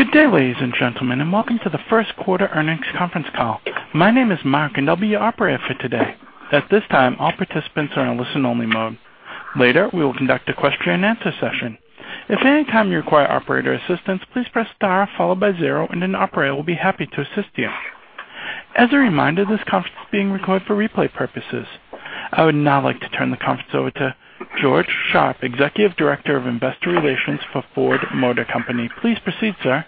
Good day, ladies and gentlemen, and welcome to the first quarter earnings conference call. My name is Mark and I'll be your operator for today. At this time, all participants are in listen only mode. Later, we will conduct a question and answer session. If at any time you require operator assistance, please press star followed by zero and an operator will be happy to assist you. As a reminder, this conference is being recorded for replay purposes. I would now like to turn the conference over to George Sharp, Executive Director of Investor Relations for Ford Motor Company. Please proceed, sir.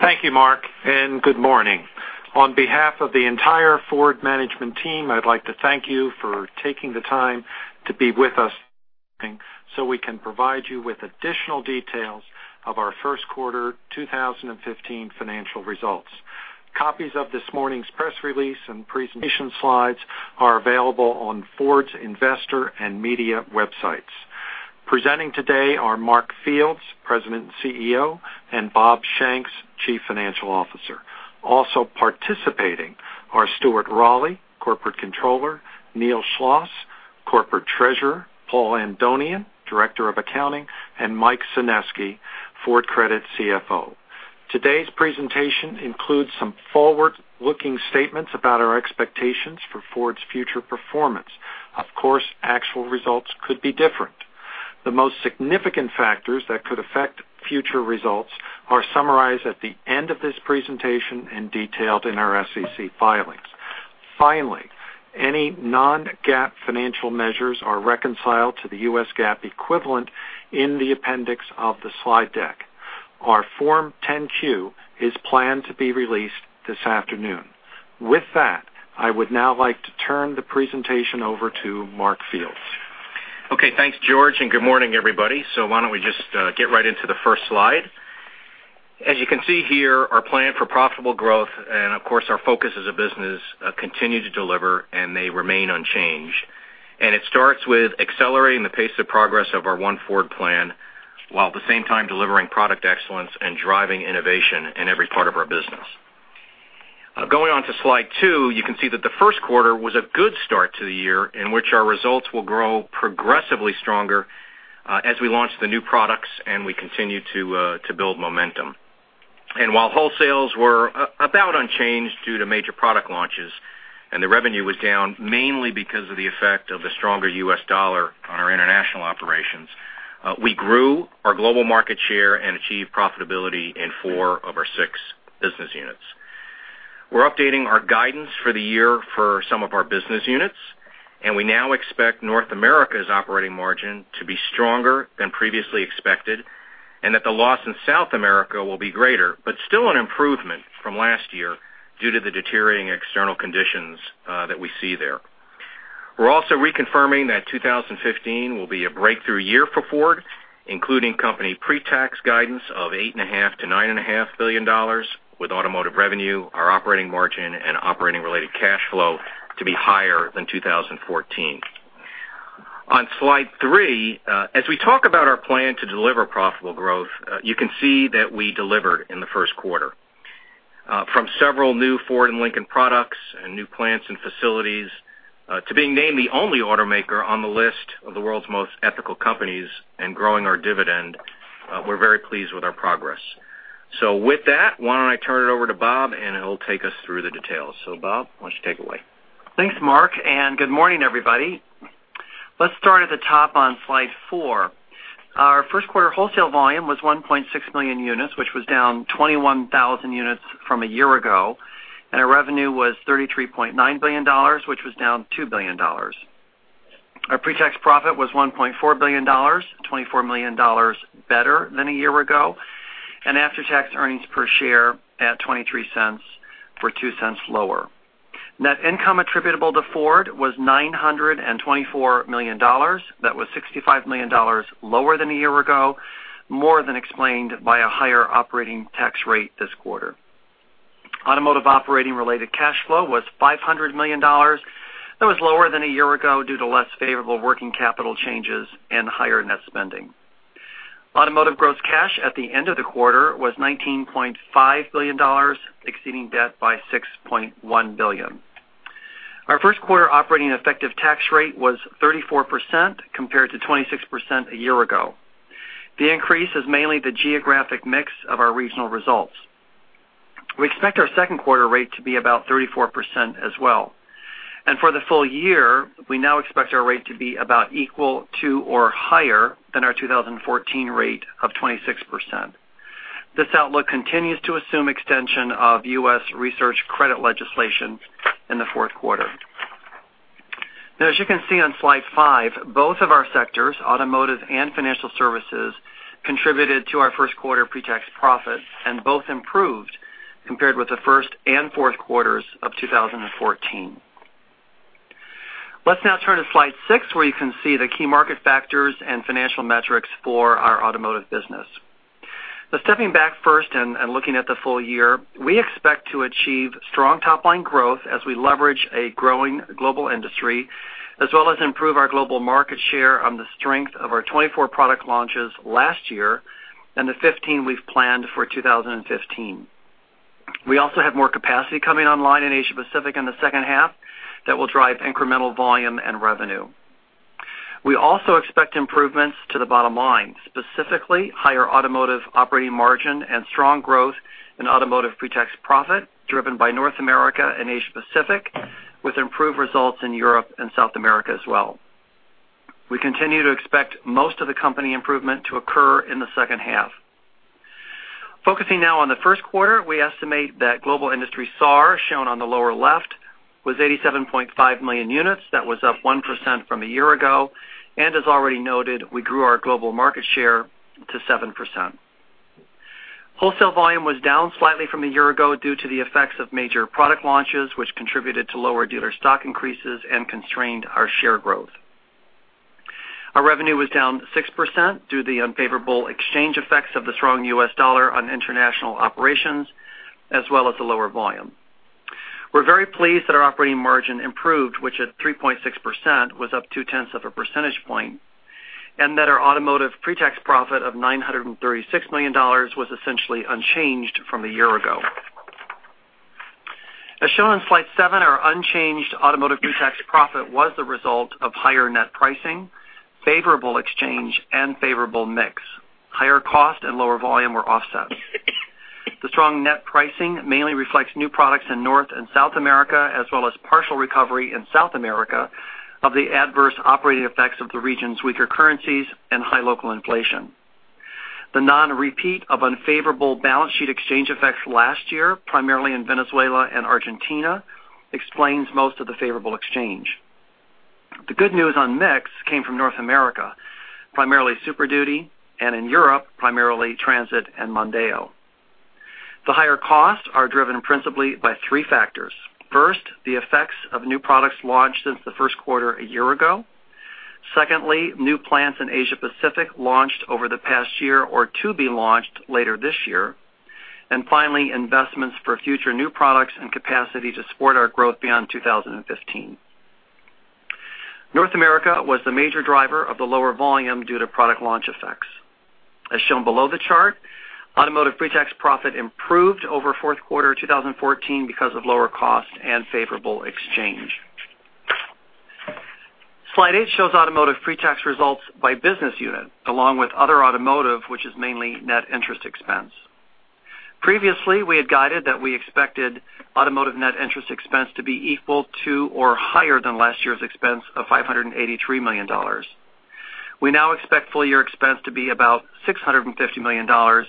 Thank you, Mark. Good morning. On behalf of the entire Ford management team, I'd like to thank you for taking the time to be with us this morning so we can provide you with additional details of our first quarter 2015 financial results. Copies of this morning's press release and presentation slides are available on Ford's investor and media websites. Presenting today are Mark Fields, President and CEO, and Bob Shanks, Chief Financial Officer. Also participating are Stuart Rowley, Corporate Controller, Neil Schloss, Corporate Treasurer, Paul Andonian, Director of Accounting, and Mike Seneski, Ford Credit CFO. Today's presentation includes some forward-looking statements about our expectations for Ford's future performance. Of course, actual results could be different. The most significant factors that could affect future results are summarized at the end of this presentation and detailed in our SEC filings. Finally, any non-GAAP financial measures are reconciled to the U.S. GAAP equivalent in the appendix of the slide deck. Our Form 10-Q is planned to be released this afternoon. With that, I would now like to turn the presentation over to Mark Fields. Okay, thanks George. Good morning, everybody. Why don't we just get right into the first slide. As you can see here, our plan for profitable growth and of course our focus as a business continue to deliver and they remain unchanged. It starts with accelerating the pace of progress of our One Ford plan, while at the same time delivering product excellence and driving innovation in every part of our business. Going on to slide two, you can see that the first quarter was a good start to the year in which our results will grow progressively stronger as we launch the new products and we continue to build momentum. While wholesales were about unchanged due to major product launches and the revenue was down mainly because of the effect of the stronger U.S. dollar on our international operations, we grew our global market share and achieved profitability in four of our six business units. We're updating our guidance for the year for some of our business units, and we now expect North America's operating margin to be stronger than previously expected and that the loss in South America will be greater, but still an improvement from last year due to the deteriorating external conditions that we see there. We're also reconfirming that 2015 will be a breakthrough year for Ford, including company pretax guidance of $8.5 billion to $9.5 billion with automotive revenue, our operating margin and operating related cash flow to be higher than 2014. On slide three, as we talk about our plan to deliver profitable growth, you can see that we delivered in the first quarter. From several new Ford and Lincoln products and new plants and facilities, to being named the only automaker on the list of the world's most ethical companies and growing our dividend, we're very pleased with our progress. With that, why don't I turn it over to Bob and he'll take us through the details. Bob, why don't you take it away? Thanks, Mark. Good morning, everybody. Let's start at the top on slide four. Our first quarter wholesale volume was 1.6 million units, which was down 21,000 units from a year ago. Our revenue was $33.9 billion, which was down $2 billion. Our pretax profit was $1.4 billion, $24 million better than a year ago. After-tax earnings per share at $0.23 were $0.02 lower. Net income attributable to Ford was $924 million. That was $65 million lower than a year ago, more than explained by a higher operating tax rate this quarter. Automotive operating related cash flow was $500 million. That was lower than a year ago due to less favorable working capital changes and higher net spending. Automotive gross cash at the end of the quarter was $19.5 billion, exceeding debt by $6.1 billion. Our first quarter operating effective tax rate was 34% compared to 26% a year ago. The increase is mainly the geographic mix of our regional results. We expect our second quarter rate to be about 34% as well. For the full year, we now expect our rate to be about equal to or higher than our 2014 rate of 26%. This outlook continues to assume extension of U.S. research credit legislation in the fourth quarter. As you can see on slide five, both of our sectors, automotive and financial services, contributed to our first quarter pretax profit and both improved compared with the first and fourth quarters of 2014. Let's now turn to slide six, where you can see the key market factors and financial metrics for our automotive business. Stepping back first and looking at the full year, we expect to achieve strong top-line growth as we leverage a growing global industry as well as improve our global market share on the strength of our 24 product launches last year and the 15 we've planned for 2015. We also have more capacity coming online in Asia Pacific in the second half that will drive incremental volume and revenue. We also expect improvements to the bottom line, specifically higher automotive operating margin and strong growth in automotive pretax profit driven by North America and Asia Pacific, with improved results in Europe and South America as well. We continue to expect most of the company improvement to occur in the second half. Focusing now on the first quarter, we estimate that global industry SAAR, shown on the lower left, was 87.5 million units. That was up 1% from a year ago, and as already noted, we grew our global market share to 7%. Wholesale volume was down slightly from a year ago due to the effects of major product launches, which contributed to lower dealer stock increases and constrained our share growth. Our revenue was down 6% due to the unfavorable exchange effects of the strong U.S. dollar on international operations, as well as the lower volume. We're very pleased that our operating margin improved, which at 3.6% was up two-tenths of a percentage point, and that our automotive pretax profit of $936 million was essentially unchanged from a year ago. As shown on slide seven, our unchanged automotive pretax profit was the result of higher net pricing, favorable exchange, and favorable mix. Higher cost and lower volume were offset. The strong net pricing mainly reflects new products in North and South America, as well as partial recovery in South America of the adverse operating effects of the region's weaker currencies and high local inflation. The non-repeat of unfavorable balance sheet exchange effects last year, primarily in Venezuela and Argentina, explains most of the favorable exchange. The good news on mix came from North America, primarily Super Duty, and in Europe, primarily Transit and Mondeo. The higher costs are driven principally by three factors. First, the effects of new products launched since the first quarter a year ago. Secondly, new plants in Asia Pacific launched over the past year or to be launched later this year. Finally, investments for future new products and capacity to support our growth beyond 2015. North America was the major driver of the lower volume due to product launch effects. As shown below the chart, automotive pretax profit improved over fourth quarter 2014 because of lower cost and favorable exchange. Slide eight shows automotive pretax results by business unit, along with other automotive, which is mainly net interest expense. Previously, we had guided that we expected automotive net interest expense to be equal to or higher than last year's expense of $583 million. We now expect full-year expense to be about $650 million,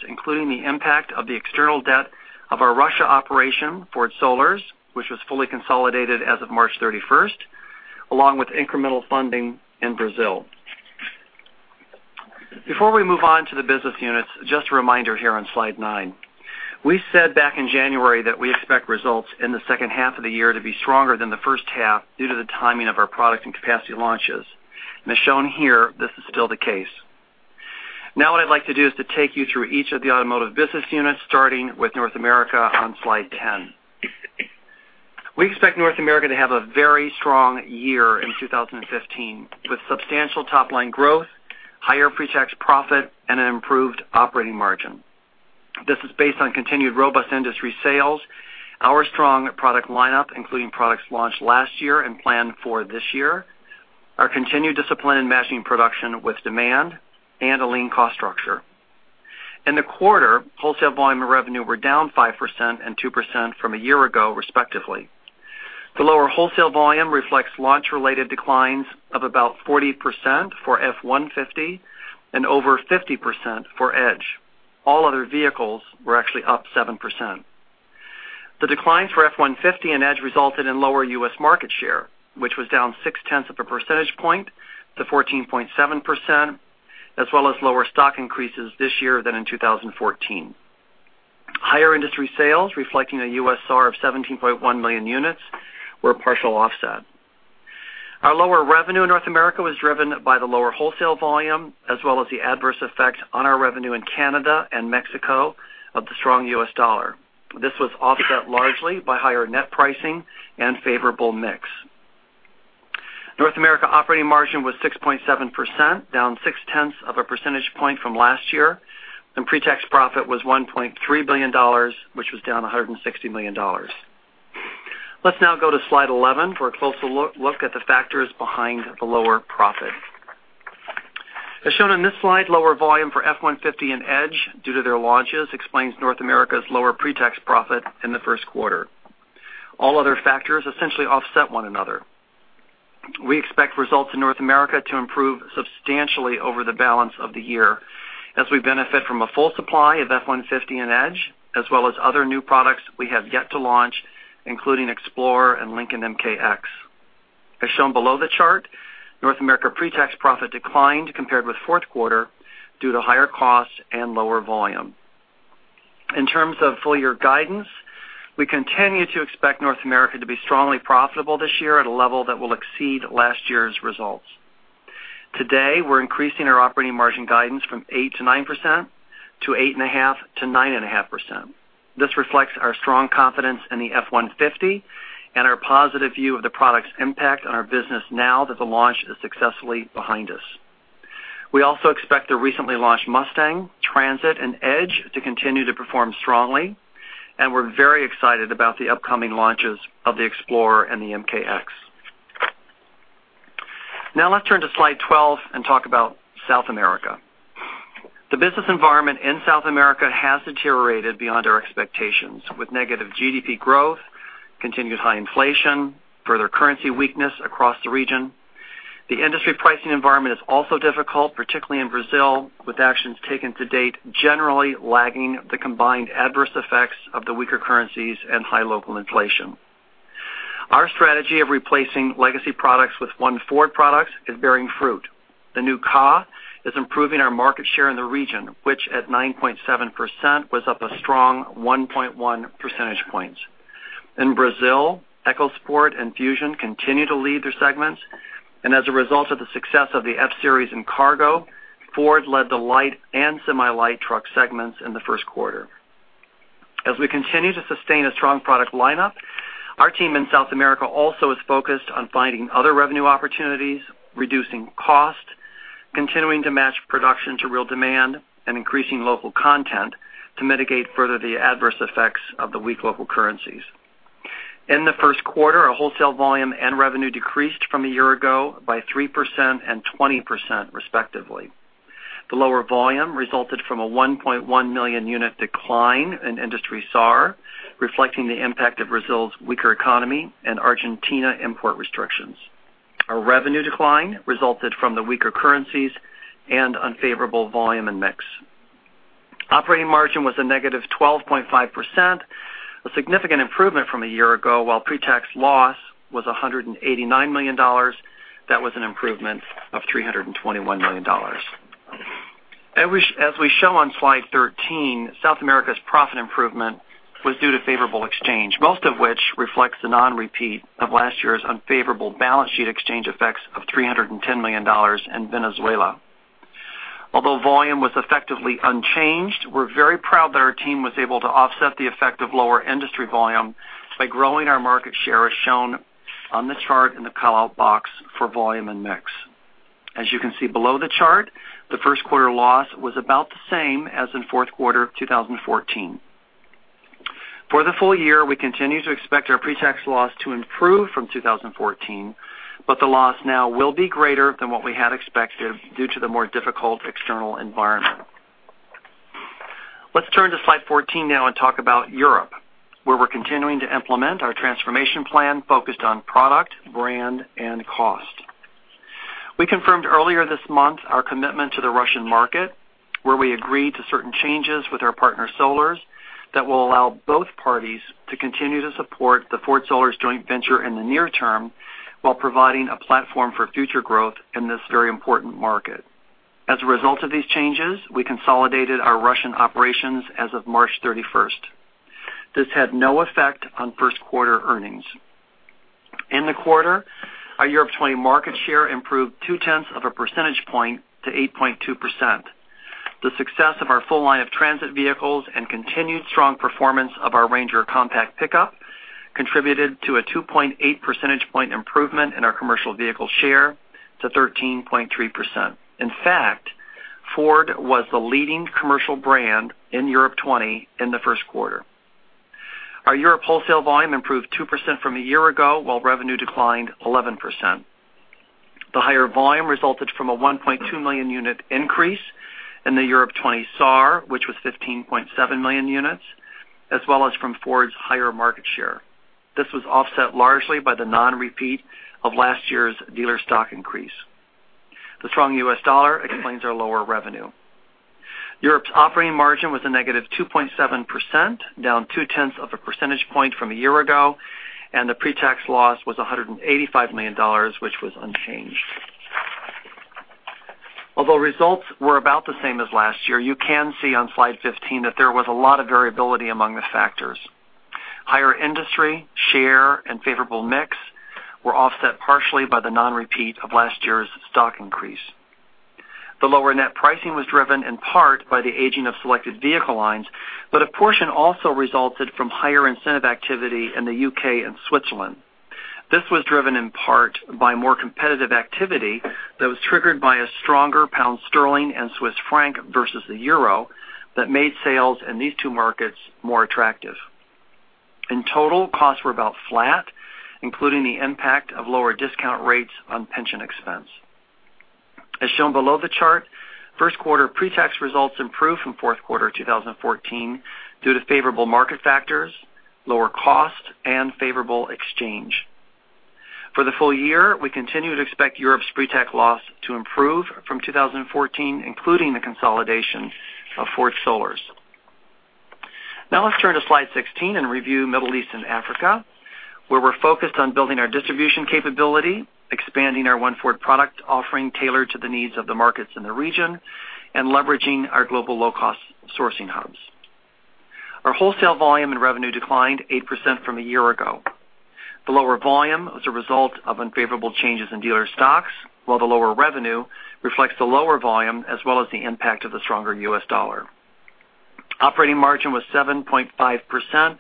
including the impact of the external debt of our Russia operation, Ford Sollers, which was fully consolidated as of March 31st, along with incremental funding in Brazil. Before we move on to the business units, just a reminder here on slide nine. We said back in January that we expect results in the second half of the year to be stronger than the first half due to the timing of our product and capacity launches. As shown here, this is still the case. What I'd like to do is to take you through each of the automotive business units, starting with North America on slide 10. We expect North America to have a very strong year in 2015, with substantial top-line growth, higher pretax profit, and an improved operating margin. This is based on continued robust industry sales, our strong product lineup, including products launched last year and planned for this year, our continued discipline in matching production with demand, and a lean cost structure. In the quarter, wholesale volume and revenue were down 5% and 2% from a year ago, respectively. The lower wholesale volume reflects launch-related declines of about 40% for F-150 and over 50% for Edge. All other vehicles were actually up 7%. The declines for F-150 and Edge resulted in lower U.S. market share, which was down six-tenths of a percentage point to 14.7%, as well as lower stock increases this year than in 2014. Higher industry sales, reflecting a U.S. SAAR of 17.1 million units, were a partial offset. Our lower revenue in North America was driven by the lower wholesale volume as well as the adverse effect on our revenue in Canada and Mexico of the strong U.S. dollar. This was offset largely by higher net pricing and favorable mix. North America operating margin was 6.7%, down six-tenths of a percentage point from last year, and pretax profit was $1.3 billion, which was down $160 million. Let's now go to slide 11 for a closer look at the factors behind the lower profit. As shown on this slide, lower volume for F-150 and Edge due to their launches explains North America's lower pretax profit in the first quarter. All other factors essentially offset one another. We expect results in North America to improve substantially over the balance of the year as we benefit from a full supply of F-150 and Edge, as well as other new products we have yet to launch, including Explorer and Lincoln MKX. As shown below the chart, North America pretax profit declined compared with fourth quarter due to higher costs and lower volume. In terms of full-year guidance, we continue to expect North America to be strongly profitable this year at a level that will exceed last year's results. Today, we're increasing our operating margin guidance from 8%-9%, to 8.5%-9.5%. This reflects our strong confidence in the F-150 and our positive view of the product's impact on our business now that the launch is successfully behind us. We also expect the recently launched Mustang, Transit, and Edge to continue to perform strongly. We're very excited about the upcoming launches of the Explorer and the Lincoln MKX. Let's turn to slide twelve and talk about South America. The business environment in South America has deteriorated beyond our expectations, with negative GDP growth, continuous high inflation, further currency weakness across the region. The industry pricing environment is also difficult, particularly in Brazil, with actions taken to date generally lagging the combined adverse effects of the weaker currencies and high local inflation. Our strategy of replacing legacy products with One Ford products is bearing fruit. The new Ka is improving our market share in the region, which at 9.7% was up a strong 1.1 percentage points. In Brazil, EcoSport and Fusion continue to lead their segments. As a result of the success of the F-series and Cargo, Ford led the light and semi-light truck segments in the first quarter. We continue to sustain a strong product lineup. Our team in South America also is focused on finding other revenue opportunities, reducing cost, continuing to match production to real demand, and increasing local content to mitigate further the adverse effects of the weak local currencies. In the first quarter, our wholesale volume and revenue decreased from a year ago by 3% and 20% respectively. The lower volume resulted from a 1.1 million unit decline in industry SAAR, reflecting the impact of Brazil's weaker economy and Argentina import restrictions. Our revenue decline resulted from the weaker currencies and unfavorable volume and mix. Operating margin was a negative 12.5%, a significant improvement from a year ago, while pre-tax loss was $189 million. That was an improvement of $321 million. We show on slide thirteen South America's profit improvement was due to favorable exchange, most of which reflects the non-repeat of last year's unfavorable balance sheet exchange effects of $310 million in Venezuela. Volume was effectively unchanged. We're very proud that our team was able to offset the effect of lower industry volume by growing our market share, as shown on the chart in the call-out box for volume and mix. You can see below the chart, the first quarter loss was about the same as in fourth quarter of 2014. For the full year, we continue to expect our pretax loss to improve from 2014. The loss now will be greater than what we had expected due to the more difficult external environment. Let's turn to slide fourteen and talk about Europe, where we're continuing to implement our transformation plan focused on product, brand, and cost. We confirmed earlier this month our commitment to the Russian market, where we agreed to certain changes with our partner, Sollers, that will allow both parties to continue to support the Ford Sollers joint venture in the near term while providing a platform for future growth in this very important market. As a result of these changes, we consolidated our Russian operations as of March 31st. This had no effect on first quarter earnings. In the quarter, our Europe 20 market share improved two-tenths of a percentage point to 8.2%. The success of our full line of Transit vehicles and continued strong performance of our Ranger compact pickup contributed to a 2.8 percentage point improvement in our commercial vehicle share to 13.3%. In fact, Ford was the leading commercial brand in Europe 20 in the first quarter. Our Europe wholesale volume improved 2% from a year ago, while revenue declined 11%. The higher volume resulted from a 1.2 million unit increase in the Europe 20 SAAR, which was 15.7 million units, as well as from Ford's higher market share. This was offset largely by the non-repeat of last year's dealer stock increase. The strong U.S. dollar explains our lower revenue. Europe's operating margin was a negative 2.7%, down two-tenths of a percentage point from a year ago, and the pre-tax loss was $185 million, which was unchanged. Although results were about the same as last year, you can see on slide 15 that there was a lot of variability among the factors. Higher industry, share, and favorable mix were offset partially by the non-repeat of last year's stock increase. The lower net pricing was driven in part by the aging of selected vehicle lines, but a portion also resulted from higher incentive activity in the U.K. and Switzerland. This was driven in part by more competitive activity that was triggered by a stronger pound sterling and Swiss franc versus the euro that made sales in these two markets more attractive. In total, costs were about flat, including the impact of lower discount rates on pension expense. As shown below the chart, first quarter pre-tax results improved from fourth quarter 2014 due to favorable market factors, lower cost, and favorable exchange. For the full year, we continue to expect Europe's pre-tax loss to improve from 2014, including the consolidation of Ford Sollers. Let's turn to slide 16 and review Middle East and Africa, where we're focused on building our distribution capability, expanding our One Ford product offering tailored to the needs of the markets in the region, and leveraging our global low-cost sourcing hubs. Our wholesale volume and revenue declined 8% from a year ago. The lower volume was a result of unfavorable changes in dealer stocks, while the lower revenue reflects the lower volume as well as the impact of the stronger U.S. dollar. Operating margin was 7.5%.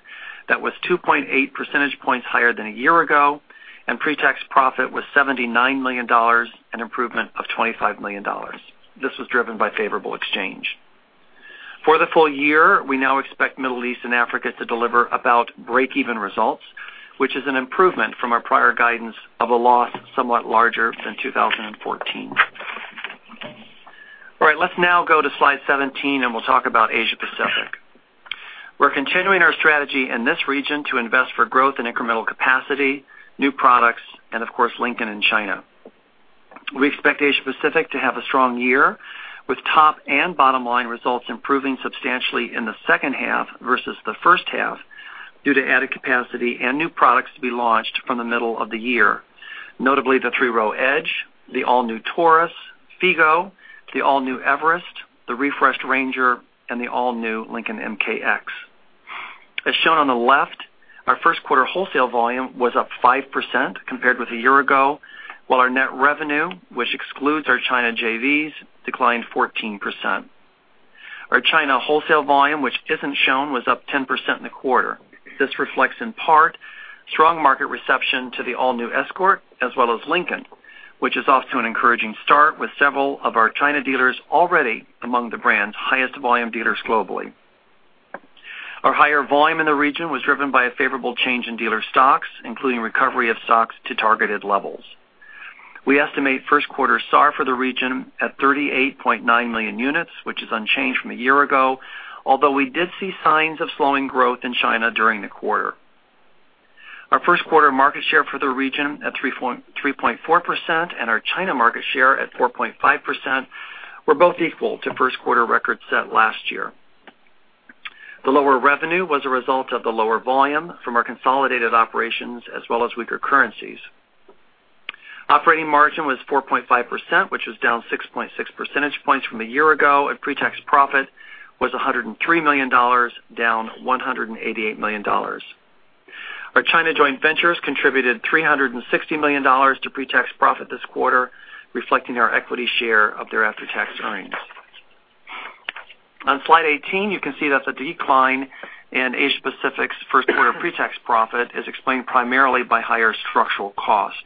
That was 2.8 percentage points higher than a year ago, and pre-tax profit was $79 million, an improvement of $25 million. This was driven by favorable exchange. For the full year, we now expect Middle East and Africa to deliver about break-even results, which is an improvement from our prior guidance of a loss somewhat larger than 2014. All right. Let's now go to slide 17 and we'll talk about Asia Pacific. We're continuing our strategy in this region to invest for growth in incremental capacity, new products, and of course, Lincoln in China. We expect Asia Pacific to have a strong year, with top and bottom line results improving substantially in the second half versus the first half due to added capacity and new products to be launched from the middle of the year. Notably, the three-row Edge, the all-new Taurus, Figo, the all-new Everest, the refreshed Ranger, and the all-new Lincoln MKX. As shown on the left, our first quarter wholesale volume was up 5% compared with a year ago, while our net revenue, which excludes our China JVs, declined 14%. Our China wholesale volume, which isn't shown, was up 10% in the quarter. This reflects in part strong market reception to the all-new Escort as well as Lincoln, which is off to an encouraging start with several of our China dealers already among the brand's highest volume dealers globally. Our higher volume in the region was driven by a favorable change in dealer stocks, including recovery of stocks to targeted levels. We estimate first quarter SAAR for the region at 38.9 million units, which is unchanged from a year ago, although we did see signs of slowing growth in China during the quarter. Our first quarter market share for the region at 3.4% and our China market share at 4.5% were both equal to first quarter records set last year. The lower revenue was a result of the lower volume from our consolidated operations as well as weaker currencies. Operating margin was 4.5%, which was down 6.6 percentage points from a year ago, and pre-tax profit was $103 million, down $188 million. Our China joint ventures contributed $360 million to pre-tax profit this quarter, reflecting our equity share of their after-tax earnings. On slide 18, you can see that the decline in Asia Pacific's first quarter pre-tax profit is explained primarily by higher structural cost.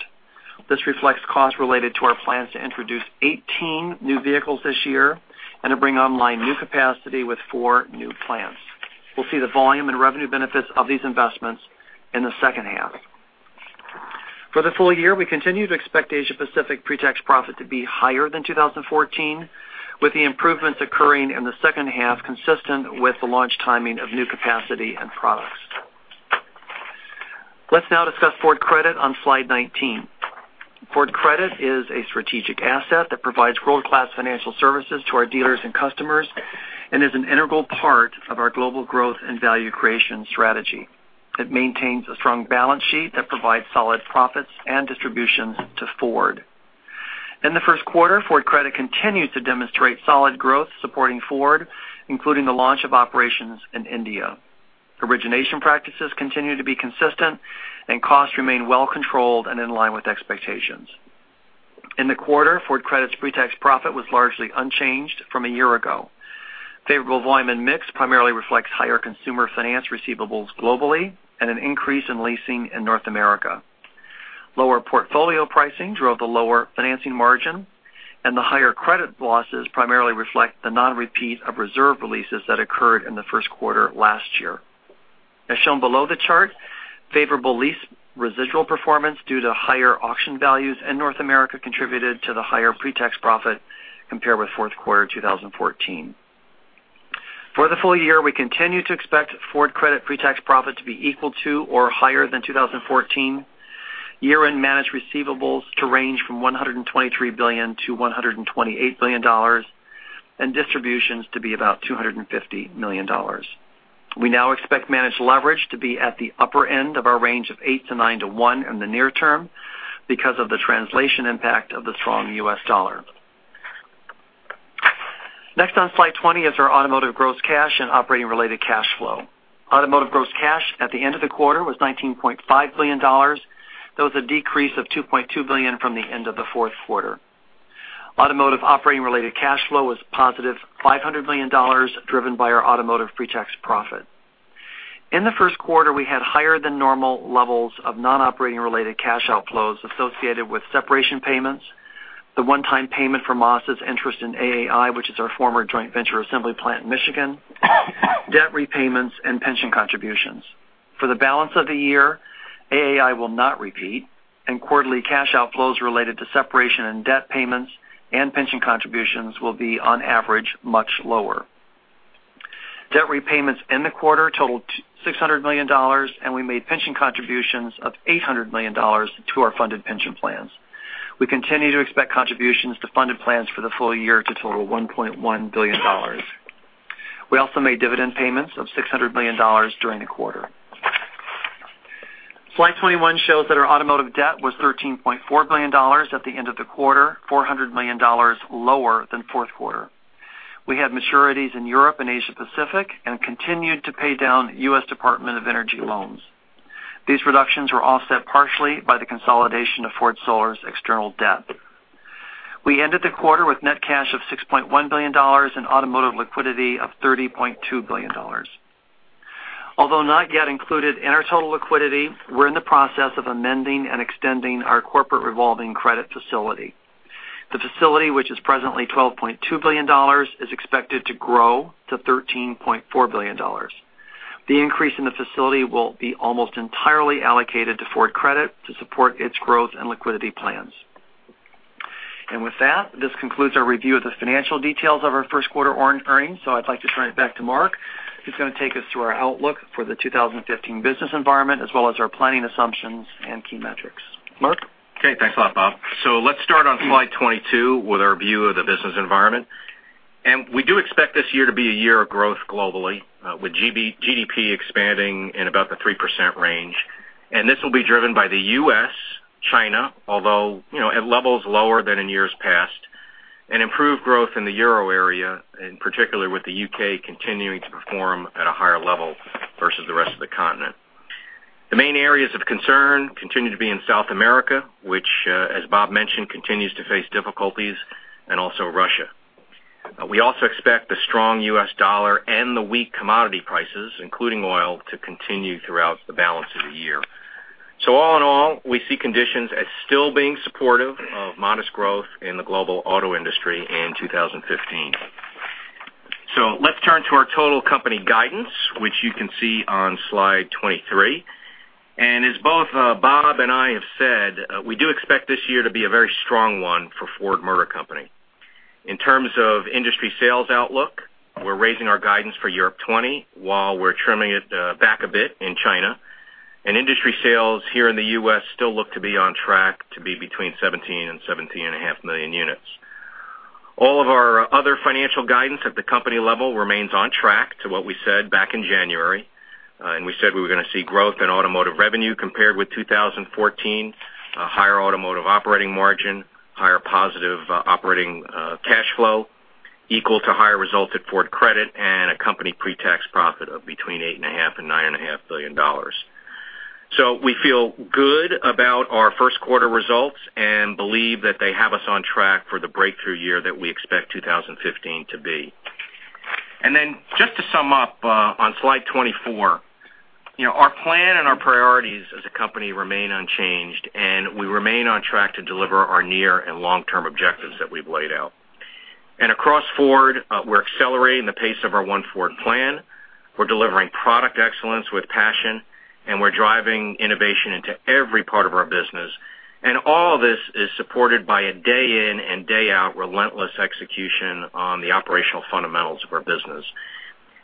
This reflects costs related to our plans to introduce 18 new vehicles this year and to bring online new capacity with four new plants. We'll see the volume and revenue benefits of these investments in the second half. For the full year, we continue to expect Asia Pacific pre-tax profit to be higher than 2014, with the improvements occurring in the second half consistent with the launch timing of new capacity and products. Let's now discuss Ford Credit on slide 19. Ford Credit is a strategic asset that provides world-class financial services to our dealers and customers and is an integral part of our global growth and value creation strategy. It maintains a strong balance sheet that provides solid profits and distributions to Ford. In the first quarter, Ford Credit continues to demonstrate solid growth supporting Ford, including the launch of operations in India. Origination practices continue to be consistent, and costs remain well-controlled and in line with expectations. In the quarter, Ford Credit's pre-tax profit was largely unchanged from a year ago. Favorable volume and mix primarily reflects higher consumer finance receivables globally and an increase in leasing in North America. Lower portfolio pricing drove the lower financing margin, and the higher credit losses primarily reflect the non-repeat of reserve releases that occurred in the first quarter last year. As shown below the chart, favorable lease residual performance due to higher auction values in North America contributed to the higher pre-tax profit compared with fourth quarter 2014. For the full year, we continue to expect Ford Credit pre-tax profit to be equal to or higher than 2014, year-end managed receivables to range from $123 billion-$128 billion, and distributions to be about $250 million. We now expect managed leverage to be at the upper end of our range of 8 to 9 to 1 in the near term because of the translation impact of the strong U.S. dollar. Next on slide 20 is our automotive gross cash and operating related cash flow. Automotive gross cash at the end of the quarter was $19.5 billion. That was a decrease of $2.2 billion from the end of the fourth quarter. Automotive operating related cash flow was positive $500 million, driven by our automotive pre-tax profit. In the first quarter, we had higher than normal levels of non-operating related cash outflows associated with separation payments, the one-time payment from Mazda's interest in AAI, which is our former joint venture assembly plant in Michigan, debt repayments, and pension contributions. For the balance of the year, AAI will not repeat, and quarterly cash outflows related to separation and debt payments and pension contributions will be, on average, much lower. Debt repayments in the quarter totaled $600 million, and we made pension contributions of $800 million to our funded pension plans. We continue to expect contributions to funded plans for the full year to total $1.1 billion. We also made dividend payments of $600 million during the quarter. Slide 21 shows that our automotive debt was $13.4 billion at the end of the quarter, $400 million lower than fourth quarter. We had maturities in Europe and Asia Pacific and continued to pay down U.S. Department of Energy loans. These reductions were offset partially by the consolidation of Ford Sollers' external debt. We ended the quarter with net cash of $6.1 billion and automotive liquidity of $30.2 billion. Although not yet included in our total liquidity, we're in the process of amending and extending our corporate revolving credit facility. The facility, which is presently $12.2 billion, is expected to grow to $13.4 billion. The increase in the facility will be almost entirely allocated to Ford Credit to support its growth and liquidity plans. With that, this concludes our review of the financial details of our first quarter earnings. I'd like to turn it back to Mark, who's going to take us through our outlook for the 2015 business environment, as well as our planning assumptions and key metrics. Mark? Okay. Thanks a lot, Bob. Let's start on slide 22 with our view of the business environment. We do expect this year to be a year of growth globally, with GDP expanding in about the 3% range. This will be driven by the U.S., China, although at levels lower than in years past, and improved growth in the Euro area, in particular with the U.K. continuing to perform at a higher level versus the rest of the continent. The main areas of concern continue to be in South America, which, as Bob mentioned, continues to face difficulties, and also Russia. We also expect the strong U.S. dollar and the weak commodity prices, including oil, to continue throughout the balance of the year. All in all, we see conditions as still being supportive of modest growth in the global auto industry in 2015. Let's turn to our total company guidance, which you can see on slide 23. As both Bob and I have said, we do expect this year to be a very strong one for Ford Motor Company. In terms of industry sales outlook, we're raising our guidance for Europe 20, while we're trimming it back a bit in China. Industry sales here in the U.S. still look to be on track to be between 17 million and 17.5 million units. All of our other financial guidance at the company level remains on track to what we said back in January. We said we were going to see growth in automotive revenue compared with 2014, a higher automotive operating margin, higher positive operating cash flow, equal to higher results at Ford Credit, and a company pretax profit of between $8.5 billion and $9.5 billion. We feel good about our first quarter results and believe that they have us on track for the breakthrough year that we expect 2015 to be. Just to sum up, on slide 24, our plan and our priorities as a company remain unchanged, and we remain on track to deliver our near and long-term objectives that we've laid out. Across Ford, we're accelerating the pace of our One Ford plan. We're delivering product excellence with passion, and we're driving innovation into every part of our business. All this is supported by a day in and day out relentless execution on the operational fundamentals of our business.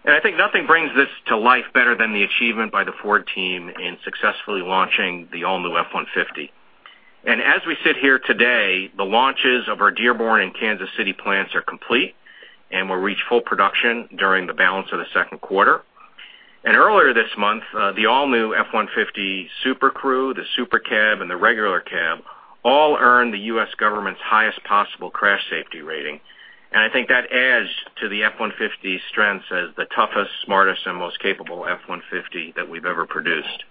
I think nothing brings this to life better than the achievement by the Ford team in successfully launching the all-new F-150. As we sit here today, the launches of our Dearborn and Kansas City plants are complete and will reach full production during the balance of the second quarter. Earlier this month, the all-new F-150 SuperCrew, the SuperCab, and the regular cab all earned the U.S. government's highest possible crash safety rating. I think that adds to the F-150's strengths as the toughest, smartest, and most capable F-150 that we've ever produced.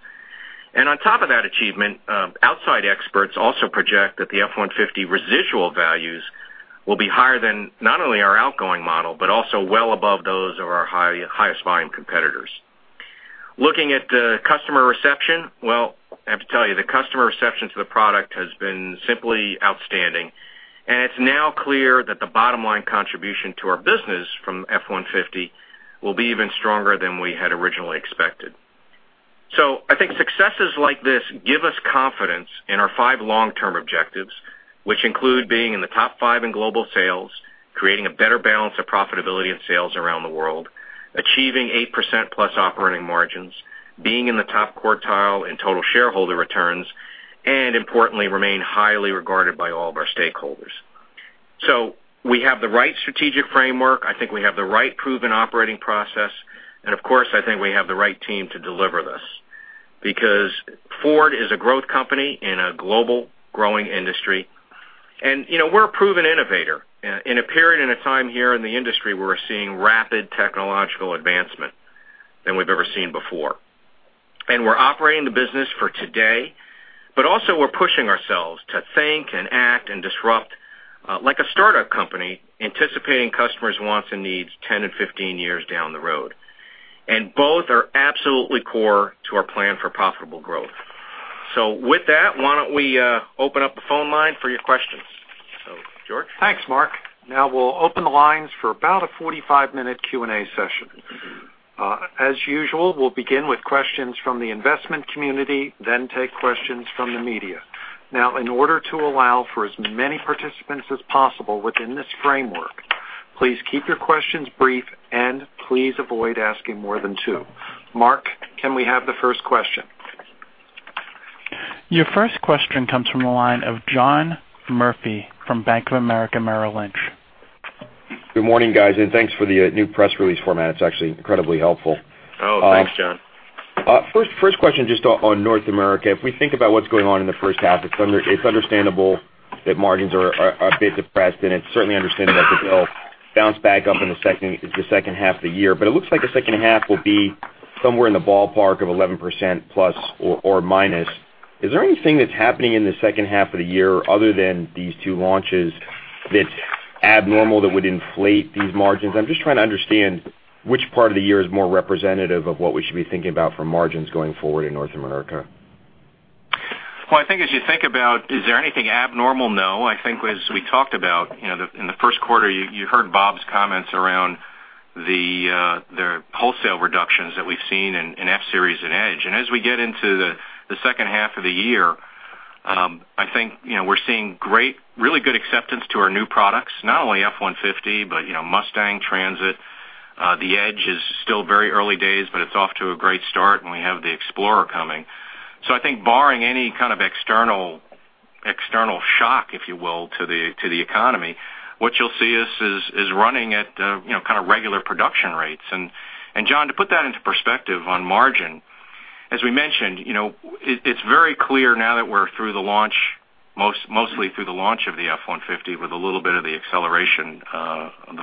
On top of that achievement, outside experts also project that the F-150 residual values will be higher than not only our outgoing model, but also well above those of our highest volume competitors. Looking at the customer reception, well, I have to tell you, the customer reception to the product has been simply outstanding, and it's now clear that the bottom-line contribution to our business from F-150 will be even stronger than we had originally expected. I think successes like this give us confidence in our five long-term objectives, which include being in the top five in global sales, creating a better balance of profitability and sales around the world, achieving 8%+ operating margins, being in the top quartile in total shareholder returns, and importantly, remain highly regarded by all of our stakeholders. We have the right strategic framework. I think we have the right proven operating process. Of course, I think we have the right team to deliver this, because Ford is a growth company in a global growing industry. We're a proven innovator in a period in a time here in the industry where we're seeing rapid technological advancement than we've ever seen before. We're operating the business for today, also we're pushing ourselves to think and act and disrupt like a startup company, anticipating customers' wants and needs 10 and 15 years down the road. Both are absolutely core to our plan for profitable growth. With that, why don't we open up the phone line for your questions. George? Thanks, Mark. We'll open the lines for about a 45-minute Q&A session. Usual, we'll begin with questions from the investment community, take questions from the media. In order to allow for as many participants as possible within this framework, please keep your questions brief and please avoid asking more than two. Mark, can we have the first question? Your first question comes from the line of John Murphy from Bank of America Merrill Lynch. Good morning, guys, thanks for the new press release format. It's actually incredibly helpful. Oh, thanks, John. First question, just on North America. If we think about what's going on in the first half, it's understandable that margins are a bit depressed, it's certainly understandable Bounce back up in the second half of the year. It looks like the second half will be somewhere in the ballpark of 11% ±. Is there anything that's happening in the second half of the year other than these two launches that's abnormal that would inflate these margins? I'm just trying to understand which part of the year is more representative of what we should be thinking about for margins going forward in North America. I think as you think about, is there anything abnormal? No. I think as we talked about in the first quarter, you heard Bob's comments around their wholesale reductions that we've seen in F-Series and Edge. As we get into the second half of the year, I think we're seeing really good acceptance to our new products, not only F-150, but Mustang, Transit. The Edge is still very early days, but it's off to a great start, and we have the Explorer coming. I think barring any kind of external shock, if you will, to the economy, what you'll see is running at kind of regular production rates. John, to put that into perspective on margin, as we mentioned, it's very clear now that we're mostly through the launch of the F-150 with a little bit of the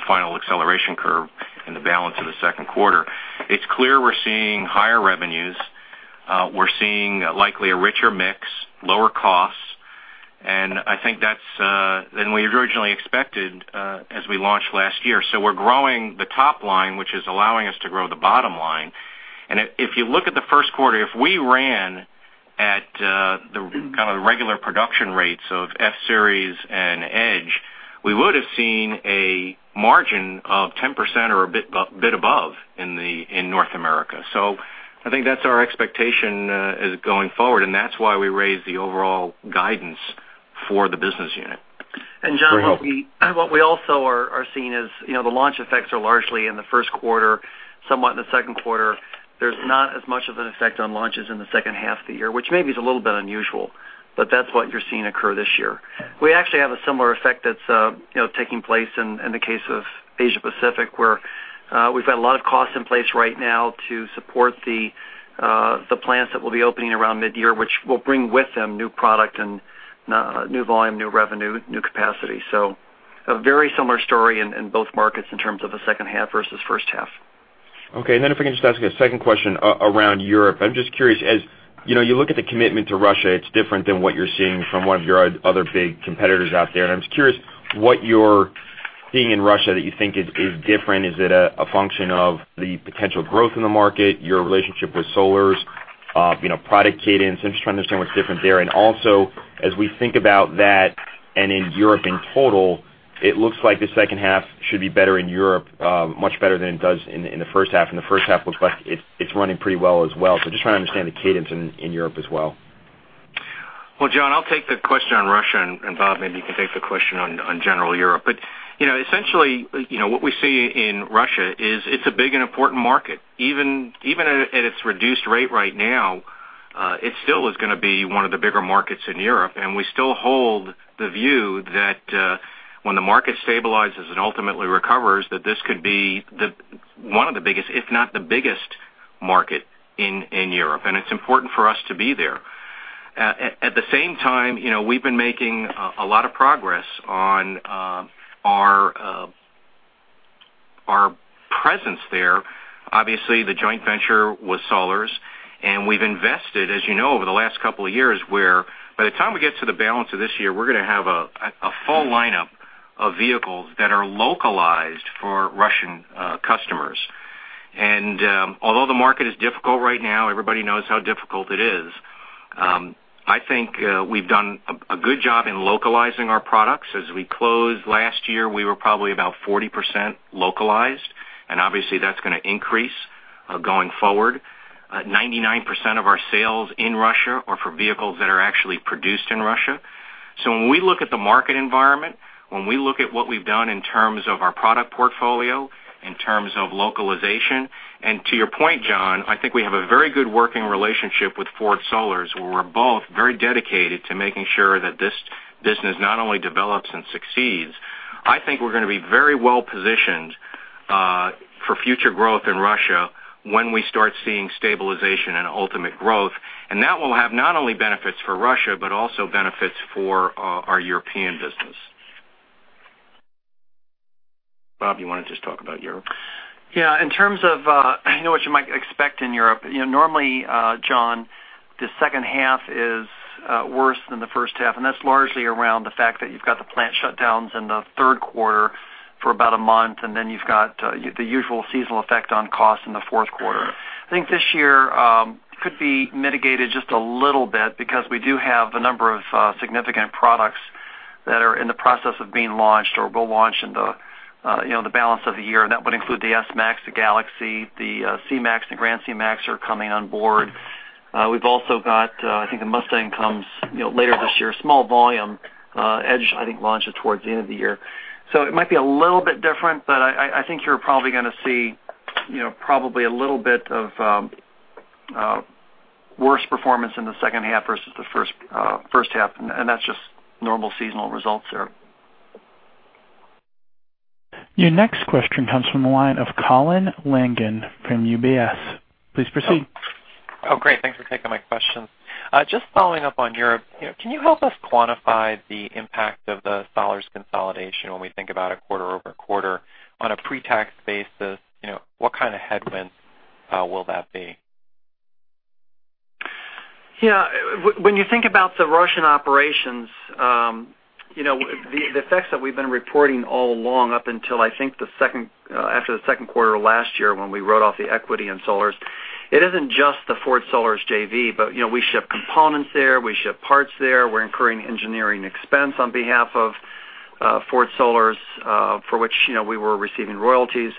final acceleration curve in the balance of the second quarter. It's clear we're seeing higher revenues. We're seeing likely a richer mix, lower costs, I think that's than we had originally expected as we launched last year. We're growing the top line, which is allowing us to grow the bottom line. If you look at the first quarter, if we ran at the kind of regular production rates of F-Series and Edge, we would have seen a margin of 10% or a bit above in North America. I think that's our expectation going forward, and that's why we raised the overall guidance for the business unit. John, what we also are seeing is the launch effects are largely in the first quarter, somewhat in the second quarter. There's not as much of an effect on launches in the second half of the year, which maybe is a little bit unusual, but that's what you're seeing occur this year. We actually have a similar effect that's taking place in the case of Asia Pacific, where we've got a lot of costs in place right now to support the plants that we'll be opening around mid-year, which will bring with them new product and new volume, new revenue, new capacity. A very similar story in both markets in terms of the second half versus first half. Okay, if I can just ask a second question around Europe. I'm just curious, as you look at the commitment to Russia, it's different than what you're seeing from one of your other big competitors out there. I'm just curious what you're seeing in Russia that you think is different. Is it a function of the potential growth in the market, your relationship with Sollers, product cadence? I'm just trying to understand what's different there. Also, as we think about that and in Europe in total, it looks like the second half should be better in Europe, much better than it does in the first half. The first half looks like it's running pretty well as well. I'm just trying to understand the cadence in Europe as well. Well, John, I'll take the question on Russia, and Bob, maybe you can take the question on general Europe. Essentially, what we see in Russia is it's a big and important market. Even at its reduced rate right now, it still is going to be one of the bigger markets in Europe, and we still hold the view that when the market stabilizes and ultimately recovers, that this could be one of the biggest, if not the biggest market in Europe, and it's important for us to be there. At the same time, we've been making a lot of progress on our presence there. Obviously, the joint venture with Sollers, and we've invested, as you know, over the last couple of years, where by the time we get to the balance of this year, we're going to have a full lineup of vehicles that are localized for Russian customers. Although the market is difficult right now, everybody knows how difficult it is, I think we've done a good job in localizing our products. As we closed last year, we were probably about 40% localized. Obviously, that's going to increase going forward. 99% of our sales in Russia are for vehicles that are actually produced in Russia. When we look at the market environment, when we look at what we've done in terms of our product portfolio, in terms of localization, and to your point, John, I think we have a very good working relationship with Ford Sollers, where we're both very dedicated to making sure that this business not only develops and succeeds. I think we're going to be very well-positioned for future growth in Russia when we start seeing stabilization and ultimate growth. That will have not only benefits for Russia but also benefits for our European business. Bob, you want to just talk about Europe? Yeah. In terms of what you might expect in Europe, normally, John, the second half is worse than the first half, that's largely around the fact that you've got the plant shutdowns in the third quarter for about a month, then you've got the usual seasonal effect on costs in the fourth quarter. I think this year could be mitigated just a little bit because we do have a number of significant products that are in the process of being launched or will launch in the balance of the year. That would include the S-Max, the Galaxy, the C-Max, and Grand C-Max are coming on board. We've also got, I think, the Mustang comes later this year, small volume. Edge, I think, launches towards the end of the year. It might be a little bit different, but I think you're probably going to see probably a little bit of worse performance in the second half versus the first half, that's just normal seasonal results there. Your next question comes from the line of Colin Langan from UBS. Please proceed. Oh, great. Thanks for taking my questions. Just following up on Europe, can you help us quantify the impact of the Sollers consolidation when we think about it quarter-over-quarter on a pre-tax basis? What kind of headwinds will that be? Yeah. When you think about the Russian operations, the effects that we've been reporting all along up until, I think, after the second quarter of last year when we wrote off the equity in Sollers, it isn't just the Ford Sollers JV, but we ship components there, we ship parts there. We're incurring engineering expense on behalf of Ford Sollers, for which we were receiving royalties.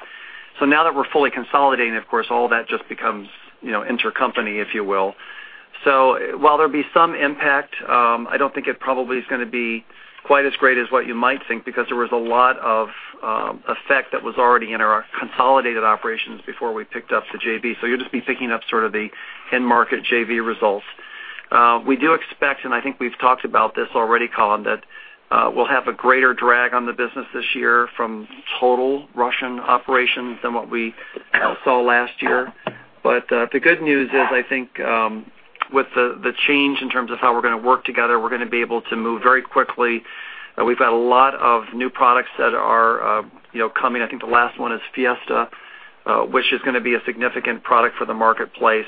Now that we're fully consolidating, of course, all that just becomes intercompany, if you will. While there'll be some impact, I don't think it probably is going to be quite as great as what you might think, because there was a lot of effect that was already in our consolidated operations before we picked up the JV. You'll just be picking up sort of the end market JV results. We do expect, and I think we've talked about this already, Colin, that we'll have a greater drag on the business this year from total Russian operations than what we saw last year. The good news is, I think, with the change in terms of how we're going to work together, we're going to be able to move very quickly. We've got a lot of new products that are coming. I think the last one is Fiesta, which is going to be a significant product for the marketplace.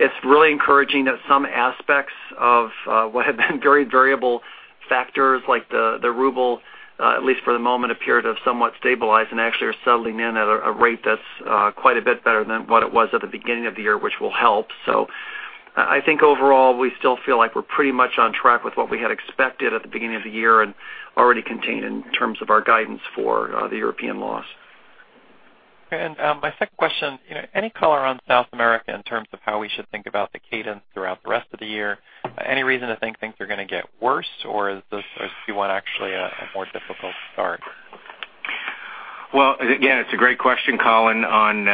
It's really encouraging that some aspects of what have been very variable factors, like the ruble, at least for the moment, appear to have somewhat stabilized and actually are settling in at a rate that's quite a bit better than what it was at the beginning of the year, which will help. I think overall, we still feel like we're pretty much on track with what we had expected at the beginning of the year and already contained in terms of our guidance for the European loss. Okay. My second question, any color on South America in terms of how we should think about the cadence throughout the rest of the year? Any reason to think things are going to get worse, or is Q1 actually a more difficult start? Well, again, it's a great question, Colin, on